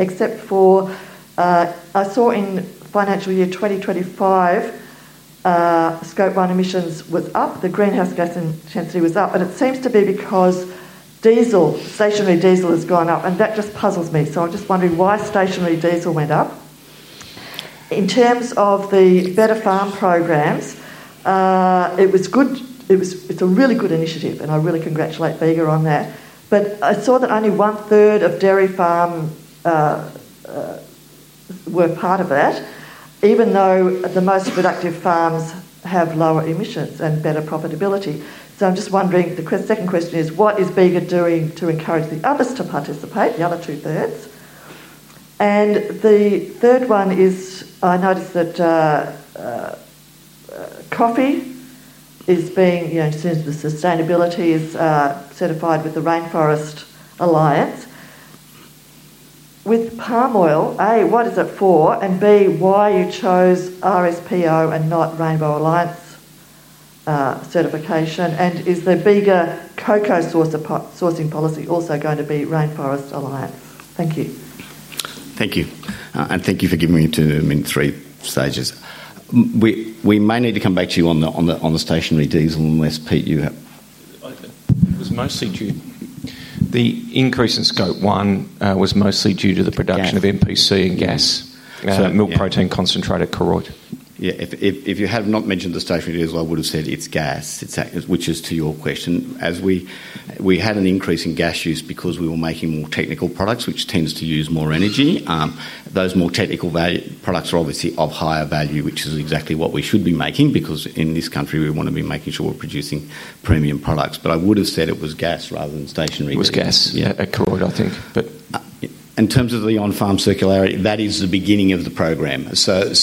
except I saw in financial year 2025 scope 1 emission was up, the greenhouse gas intensity was up, and it seems to be because stationary diesel has gone up. That just puzzles me. I'm just wondering why stationary diesel went up in terms of the Better Farms programs. It was good. It's a really good initiative, and I really congratulate Bega on that. I saw that only one third of dairy farms were part of that, even though the most productive farms have lower emissions and better profitability. I'm just wondering, the second question is what is Bega doing to encourage the others to participate, the other 2/3? The third one is I noticed that coffee is being sustainability certified with the Rainforest Alliance with palm oil. What is it for, and why you chose RSPO and not Rainforest Alliance certification? Is the Bega cocoa sourcing policy also going to be Rainforest Alliance? Thank you. Thank you. Thank you for giving me term in three stages. We may need to come back to you on the stationary diesel unless Pete, you. It was mostly due to the increase in scope. One was mostly due to the production of MPC and gas. Milk, protein, concentrated, Koroid. If you have not mentioned the station, as I would have said, it's gas, which is to your question as we had an increase in gas use because we were making more technical products, which tends to use more energy. Those more technical value products are obviously of higher value, which is exactly what we should be making because in this country we want to be making sure we're producing premium products. I would have said it was gas rather than stationary. It was gas, yeah, I think. In terms of the on-farm circularity, that is the beginning of the program. We're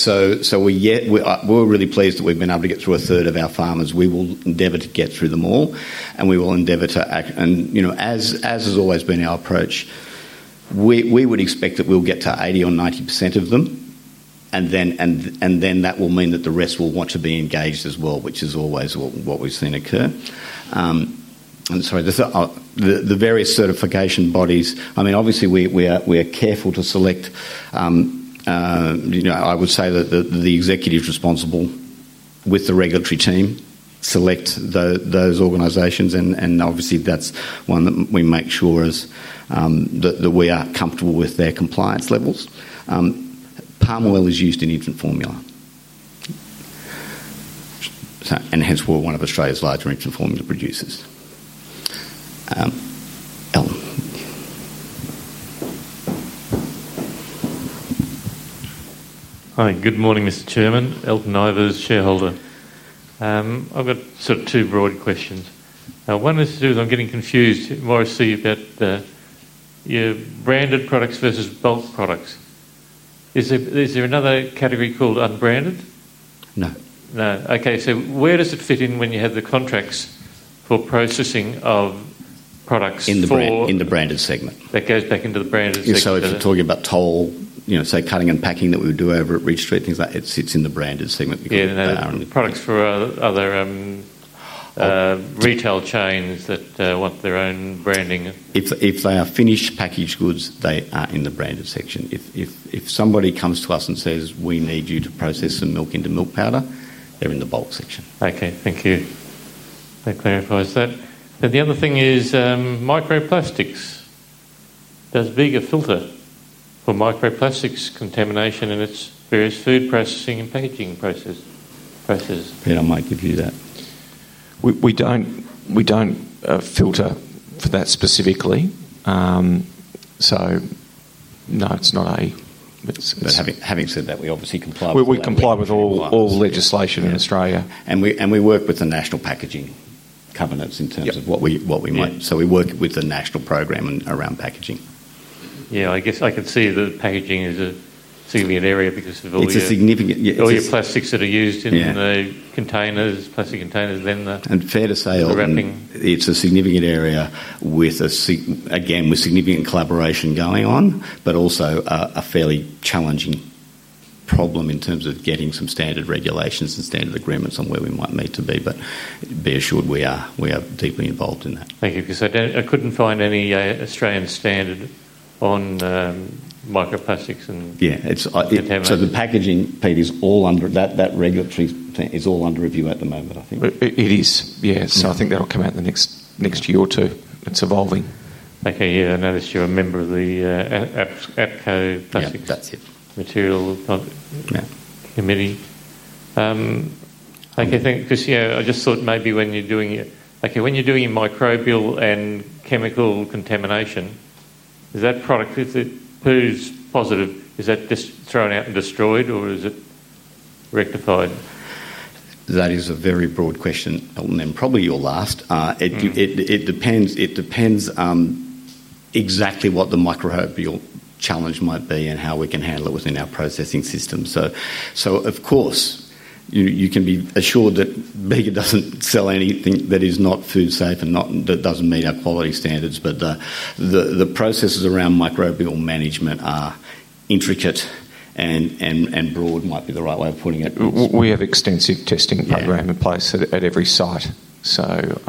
really pleased that we've been able to get through a third of our farmers. We will endeavor to get through them all and we will endeavor to act and, you know, as has always been our approach, we would expect that we'll get to 80% or 90% of them and then that will mean that the rest will want to be engaged as well, which is always what we've seen occur. I'm sorry, the various certification bodies. Obviously, we are careful to select. I would say that the executives responsible with the regulatory team select those organizations and obviously that's one that we make sure is that we are comfortable with their compliance levels. Palm oil is used in infant formula and hence we're one of Australia's larger infant formula producers. Elton. Hi, good morning, Mr. Chairman. Elton Ivers, shareholder. I've got sort of two broad questions. One is to do is, I'm getting confused more. I see that your branded products versus bulk products. Is there another category called unbranded? No. No. Okay, so where does it fit in? When you have the contracts for processing. Of products in the branded segment, that goes back into the branded segment. If you're talking about toll, you know, say cutting and packing that we would do over at Ridge Street, things like it sits in the branded segment. Products for other retail chains that want their own branding. If they are finished packaged goods, they are in the branded section. If somebody comes to us and says, we need you to process some milk into milk powder, they're in the bulk section. Okay, thank you. That clarifies that. The other thing is microplastics, those bigger filters for microplastics contamination and its various food processing and packaging processes. Peter might give you that. We don't filter for that specifically. No, it's not a. Having said that, we obviously comply. We comply with all legislation in Australia. We work with the national packaging covenants in terms of what we might, so we work with the national program around packaging. Yeah, I guess I could see the packaging is a significant area because of all the. It's significant. All your plastics that are used in the containers, plastic containers. Then the. is fair to say it's a significant area with significant collaboration going on, but also a fairly challenging problem in terms of getting some standard regulations and standard agreements on where we might need to be. Be assured, we are deeply involved in that. Thank you. I couldn't find any Australian standard on microplastics. Yeah, it's contaminant. The packaging, Pete, is all under that. That regulatory is all under review at the moment. I think it is. I think that'll come out in the next year or two. It's evolving. Okay. Yeah. I noticed you're a member of the APCO Material Committee. Okay, thank you. I just thought maybe when you're doing it. Okay. When you're doing microbial and chemical contamination, is that product, if it poo's positive, is that just thrown out and destroyed or is it rectified? That is a very broad question and probably your last. It depends. It depends on exactly what the microbial challenge might be and how we can handle it within our processing system. Of course, you can be assured that Bega Cheese Ltd doesn't sell anything that is not food safe and that doesn't meet our quality standards. The processes around microbial management are intricate and broad. Might be the right way of putting it. We have an extensive testing program in place at every site, so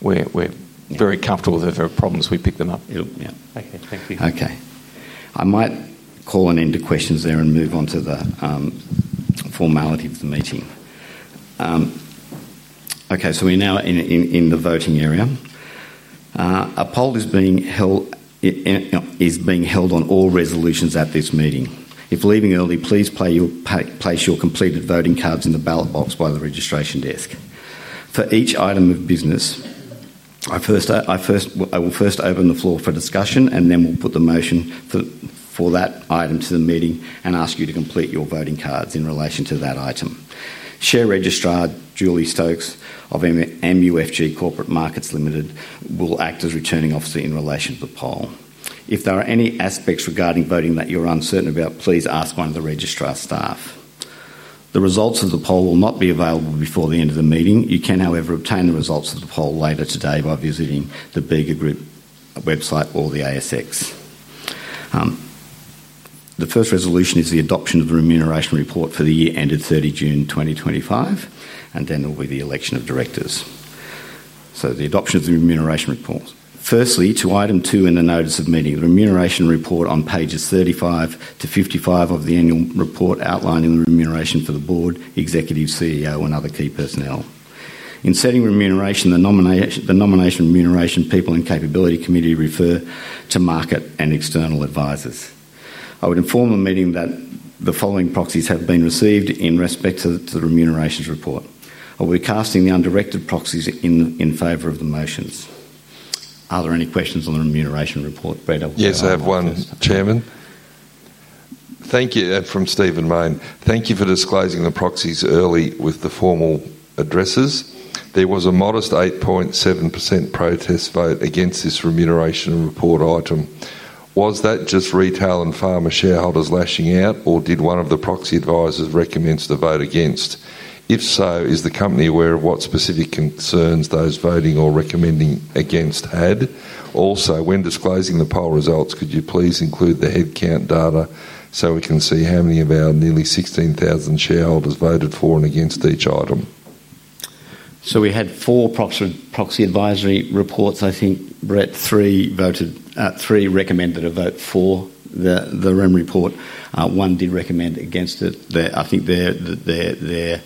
we're very comfortable. If there are problems, we pick them up. Okay, I might call an end to questions there and move on to the formality of the meeting. Okay, so we're now in the voting area. A poll is being held on all resolutions at this meeting. If leaving early, please place your completed voting cards in the ballot box by the registration desk for each item of business. I will first open the floor for discussion and then we'll put the motion for that item to the meeting and ask you to complete your voting cards in relation to that item. Share Registrar Julie Stokes of MUFG Corporate Markets Limited will act as returning officer in relation to the poll. If there are any aspects regarding voting that you are uncertain about, please ask one of the registrar staff. The results of the poll will not be available before the end of the meeting. You can, however, obtain the results of the poll later today by visiting the Bega Group website or the ASX. The first resolution is the adoption of the remuneration report for the year ended June 30, 2025, and then there will be the election of directors. The adoption of the remuneration report, firstly to item 2 in the notice of meeting, the remuneration report on pages 35 to 55 of the annual report outlined the remuneration for the board, executive, CEO, and other key personnel. In setting remuneration, the Nomination, Remuneration, People and Capability Committee refer to market and external advisers. I would inform the meeting that the following proxies have been received in respect to the remuneration report. Are we casting the undirected proxies in favor of the motions? Are there any questions on the remuneration report? Brett? Yes, I have one. Chairman, thank you from Stephen Mayne. Thank you for disclosing the proxies early with the formal addresses. There was a modest 8.7% protest vote against this remuneration report item. Was that just retail and folks pharma shareholders lashing out or did one of the proxy advisers recommend the vote against? If so, is the company aware of what specific concerns those voting or recommending against had? Also, when disclosing the poll results, could you please include the headcount data so we can see how many of our nearly 16,000 shareholders voted for and against each item? We had four proxy advisory reports. I think Brett, three recommended a vote for the REM report, one did recommend against it. I think their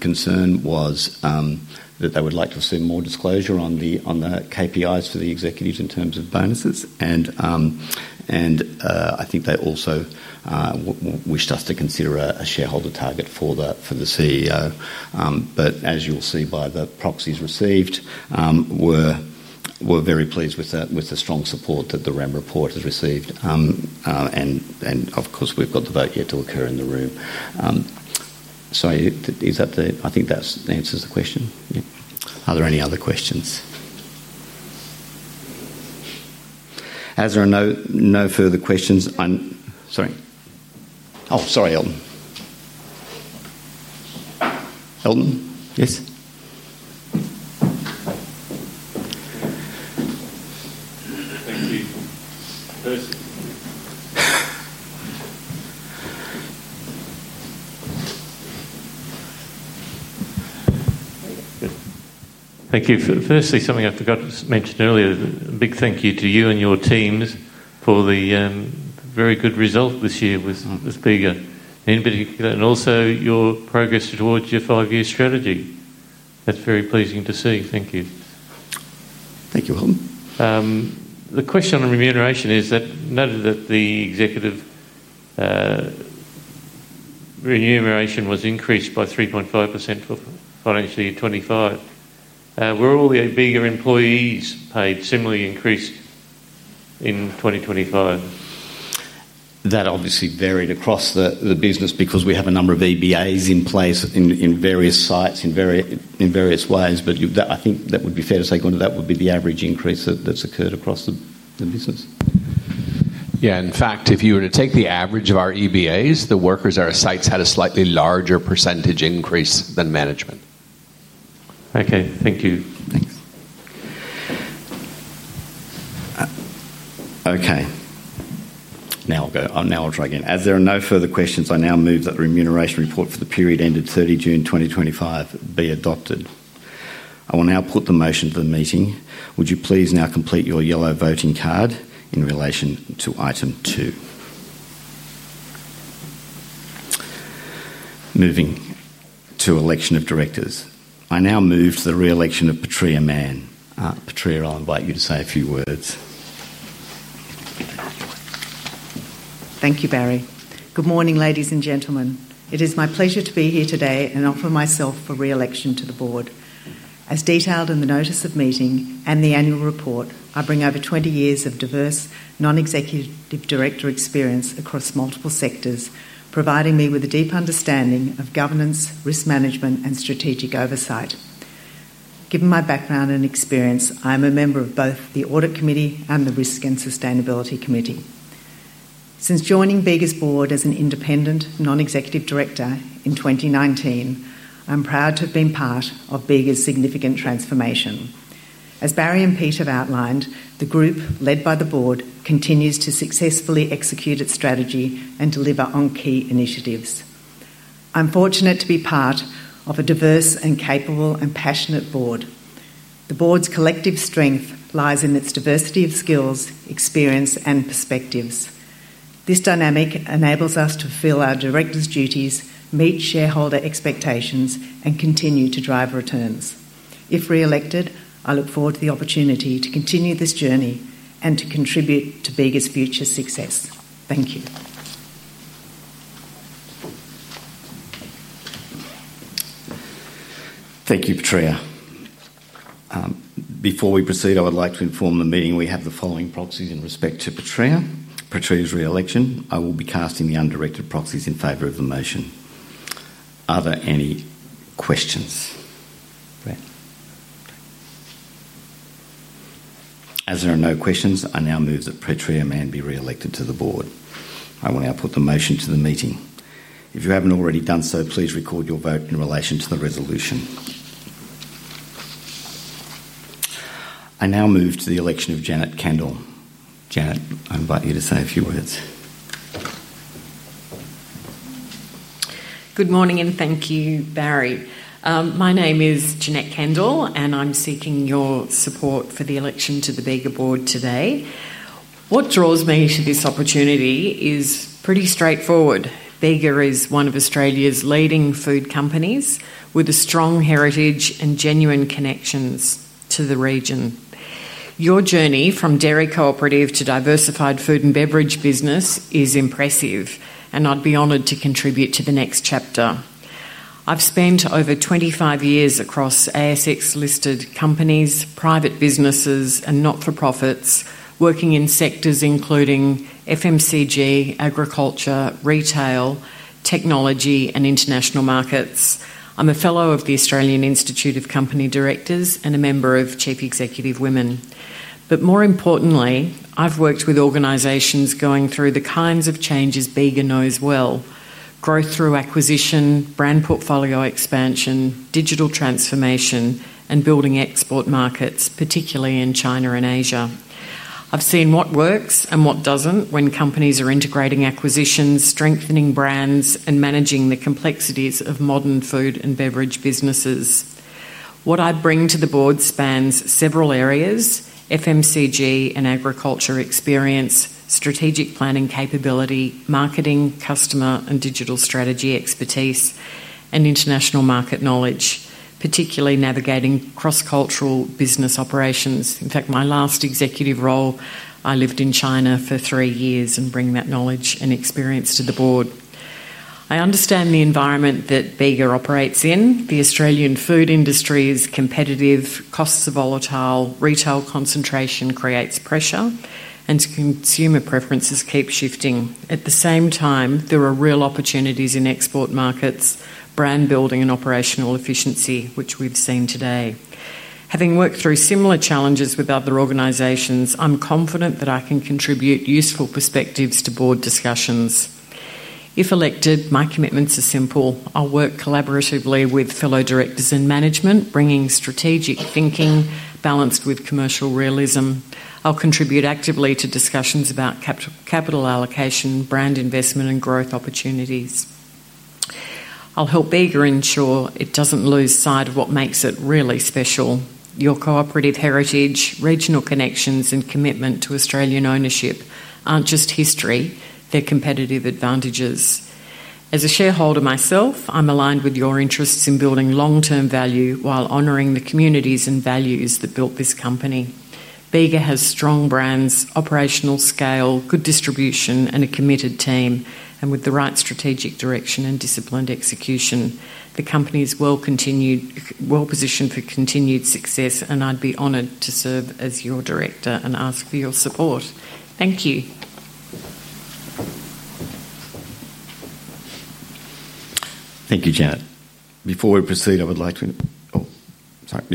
concern was that they would like to see more disclosure on the KPIs for the executives in terms of bonuses, and I think they also wished us to consider a shareholder target for the CEO. As you'll see by the proxies received, we're very pleased with the strong support that the REM report has received, and of course we've got the vote yet to occur in the room. I think that answers the question. Are there any other questions? As there are no further questions. Sorry. Oh, sorry. Elton. Elton. Yes. Thank you. Thank you. Firstly, something I forgot to mention earlier. Big thank you to you and your teams for the very good result this year with Bega and also your progress towards your five year strategy. That's very pleasing to see. Thank you. Thank you, Elton. The question on remuneration is that noted that the executive remuneration was increased by 3.5% for financial year 2025. Were all the Bega employees paid similarly increased in 2025? That obviously varied across the business because we have a number of EBAs in place in various sites in various ways, but I think that would be fair to say go into that would be the average increase that's occurred across the business. Yeah. In fact, if you were to take the average of our EBAs, the workers at our sites had a slightly larger % increase than management. Okay, thank you. Thanks. Okay, as there are no further questions, I now move that the remuneration report for the period ended 30 June 2025 be adopted. I will now put the motion to the meeting. Would you please now complete your yellow voting card in relation to item 2. Moving to election of directors, I now move to the re-election of Patria Mann. Patria, I'll invite you to say a few words. Thank you, Barry. Good morning, ladies and gentlemen. It is my pleasure to be here today and offer myself for re-election to the Board. As detailed in the notice of meeting and the annual report, I bring over 20 years of diverse non-executive Director experience across multiple sectors, providing me with a deep understanding of governance, risk management, and strategic oversight. Given my background and experience, I am a member of both the Audit Committee and the Risk and Sustainability Committee. Since joining Bega's Board as an independent non-executive Director in 2019, I'm proud to have been part of Bega's significant transformation. As Barry and Pete have outlined, the group led by the Board continues to successfully execute its strategy and deliver on key initiatives. I'm fortunate to be part of a diverse, capable, and passionate Board. The Board's collective strength lies in its diversity of skills, experience, and perspectives. This dynamic enables us to fulfill our Directors' duties, meet shareholder expectations, and continue to drive returns if re-elected. I look forward to the opportunity to continue this journey and to contribute to Bega's future success. Thank you. Thank you, Patria. Before we proceed, I would like to inform the meeting we have the following proxies in respect to Patria Mann's re-election. I will be casting the undirected proxies in favor of the motion. Are there any questions? As there are no questions, I now move that Patria Mann be re-elected to the Board. I will now put the motion to the meeting. If you haven't already done so, please record your vote in relation to the resolution. I now move to the election of Janette Kendall. Janette, I invite you to say a few words. Good morning and thank you, Barry. My name is Janette Kendall and I'm seeking your support for the election to the Bega Board today. What draws me to this opportunity is pretty straightforward. Bega is one of Australia's leading food companies with a strong heritage and genuine connections to the region. Your journey from dairy cooperative to diversified food and beverage business is impressive and I'd be honored to contribute to the next chapter. I've spent over 25 years across ASX-listed companies, private businesses, and not-for-profits, working in sectors including FMCG, agricultural, retail, technology, and international markets. I'm a Fellow of the Australian Institute of Company Directors and a member of Chief Executive Women. More importantly, I've worked with organizations going through the kinds of changes Bega knows well. Growth through acquisition, brand portfolio expansion, digital transformation, and building export markets, particularly in China and Asia. I've seen what works and what doesn't when companies are integrating acquisitions, strengthening brands, and managing the complexities of modern food and beverage businesses. What I bring to the Board spans several FMCG and agriculture experience, strategic planning capability, marketing, customer and digital strategy expertise, and international market knowledge, particularly navigating cross-cultural business operations. In fact, in my last executive role, I lived in China for three years and bring that knowledge and experience to the Board. I understand the environment that Bega operates in. The Australian food industry is competitive, costs are volatile, retail concentration creates pressure, and consumer preferences keep shifting. At the same time, there are real opportunities in export markets, brand building, and operational efficiency which we've seen today. Having worked through similar challenges with other organizations, I'm confident that I can contribute useful perspectives to board discussions if elected. My commitments are simple. I'll work collaboratively with fellow directors and management, bringing strategic thinking balanced with commercial realism. I'll contribute actively to discussions about capital allocation, brand investment, and growth opportunities. I'll help Bega ensure it doesn't lose sight of what makes it really special. Your cooperative heritage, regional connections, and commitment to Australian ownership aren't just history, they're competitive advantages. As a shareholder myself, I'm aligned with your interests in building long-term value while honoring the communities and values that built this company. Bega has strong brands, operational scale, good distribution, and a committed team. With the right strategic direction and disciplined execution, the company is well positioned for continued success. I'd be honored to serve as your director and ask for your support. Thank you. Thank you, Janette. Before we proceed, I would like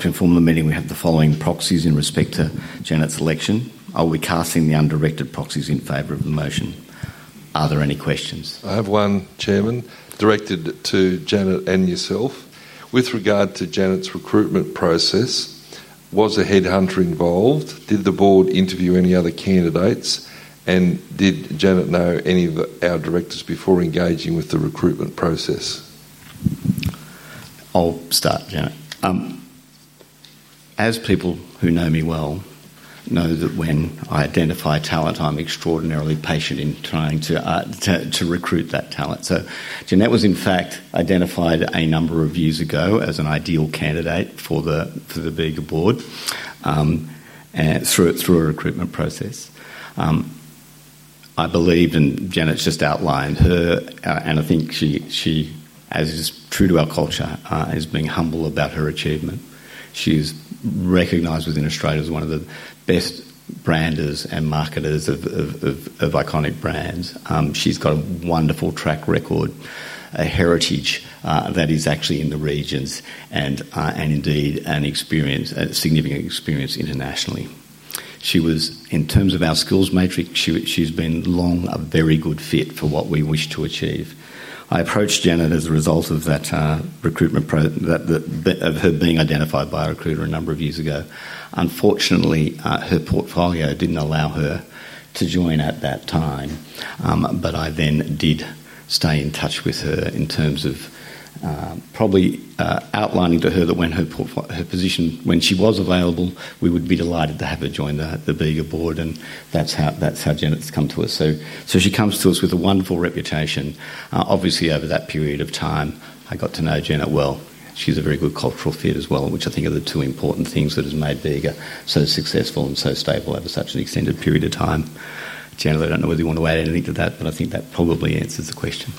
to inform the meeting we have the following proxies in respect to Janette's election. I will be casting the undirected proxies in favor of the motion. Are there any questions? I have one. Chairman, directed to Janette and yourself with regard to Janette's recruitment process, was the headhunter involved? Did the board interview any other candidates, and did Janette know any of our directors before engaging with the recruitment process? I'll start. Janette, as people who know me well know that when I identify talent, I'm extraordinarily patient in trying to recruit that talent. Janette was in fact identified a number of years ago as an ideal candidate for the Bega Board through a recruitment process, I believe, and Janette's just outlined her and I think she, as is true to our culture, is being humble about her achievement. She's recognized within Australia as one of the best branders and marketers of iconic brands. She's got a wonderful track record, a heritage that is actually in the rich and indeed a significant experience internationally. She was, in terms of our skills matrix, she's been long a very good fit for what we wish to achieve. I approached Janette as a result of that recruitment of her being identified by a recruiter a number of years ago. Unfortunately, her portfolio didn't allow her to join at that time. I did stay in touch with her in terms of probably outlining to her that when her position, when she was available, we would be delighted to have her join the Bega Board. That's how Janette's come to us. She comes to us with a wonderful reputation. Obviously over that period of time I got to know Janette well. She's a very good cultural fit as well, which I think are the two important things that has made Bega so successful and so stable. Have a success such an extended period of time generally. I don't know whether you want to add anything to that, but I think that probably answers the question.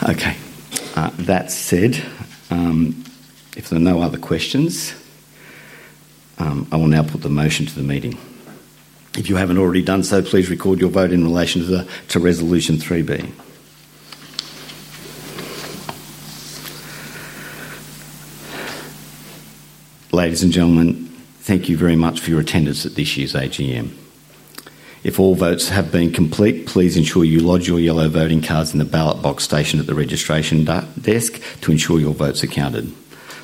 That said, if there are no other questions, I will now put the motion to the meeting. If you haven't already done so, please record your vote in relation to resolution 3B. Ladies and gentlemen, thank you very much for your attendance at this year's AGM. If all votes have been complete, please ensure you lodge your yellow voting cards in the ballot box stationed at the registration desk to ensure your votes are counted.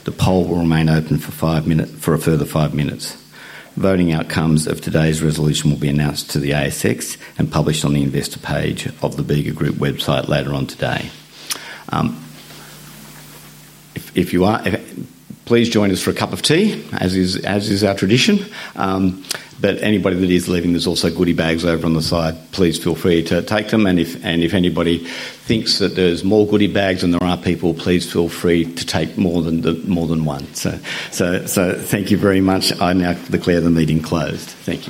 The poll will remain open for a further five minutes. Voting outcomes of today's resolution will be announced to the ASX and published on the investor page of the Bega Group website later on today. If you are, please join us for a cup of tea, as is our tradition. Anybody that is leaving, there's also goody bags over on the side. Please feel free to take them. If anybody thinks that there's more goody bags than there are people, please feel free to take more than one. Thank you very much. I now declare the meeting closed. Thank you.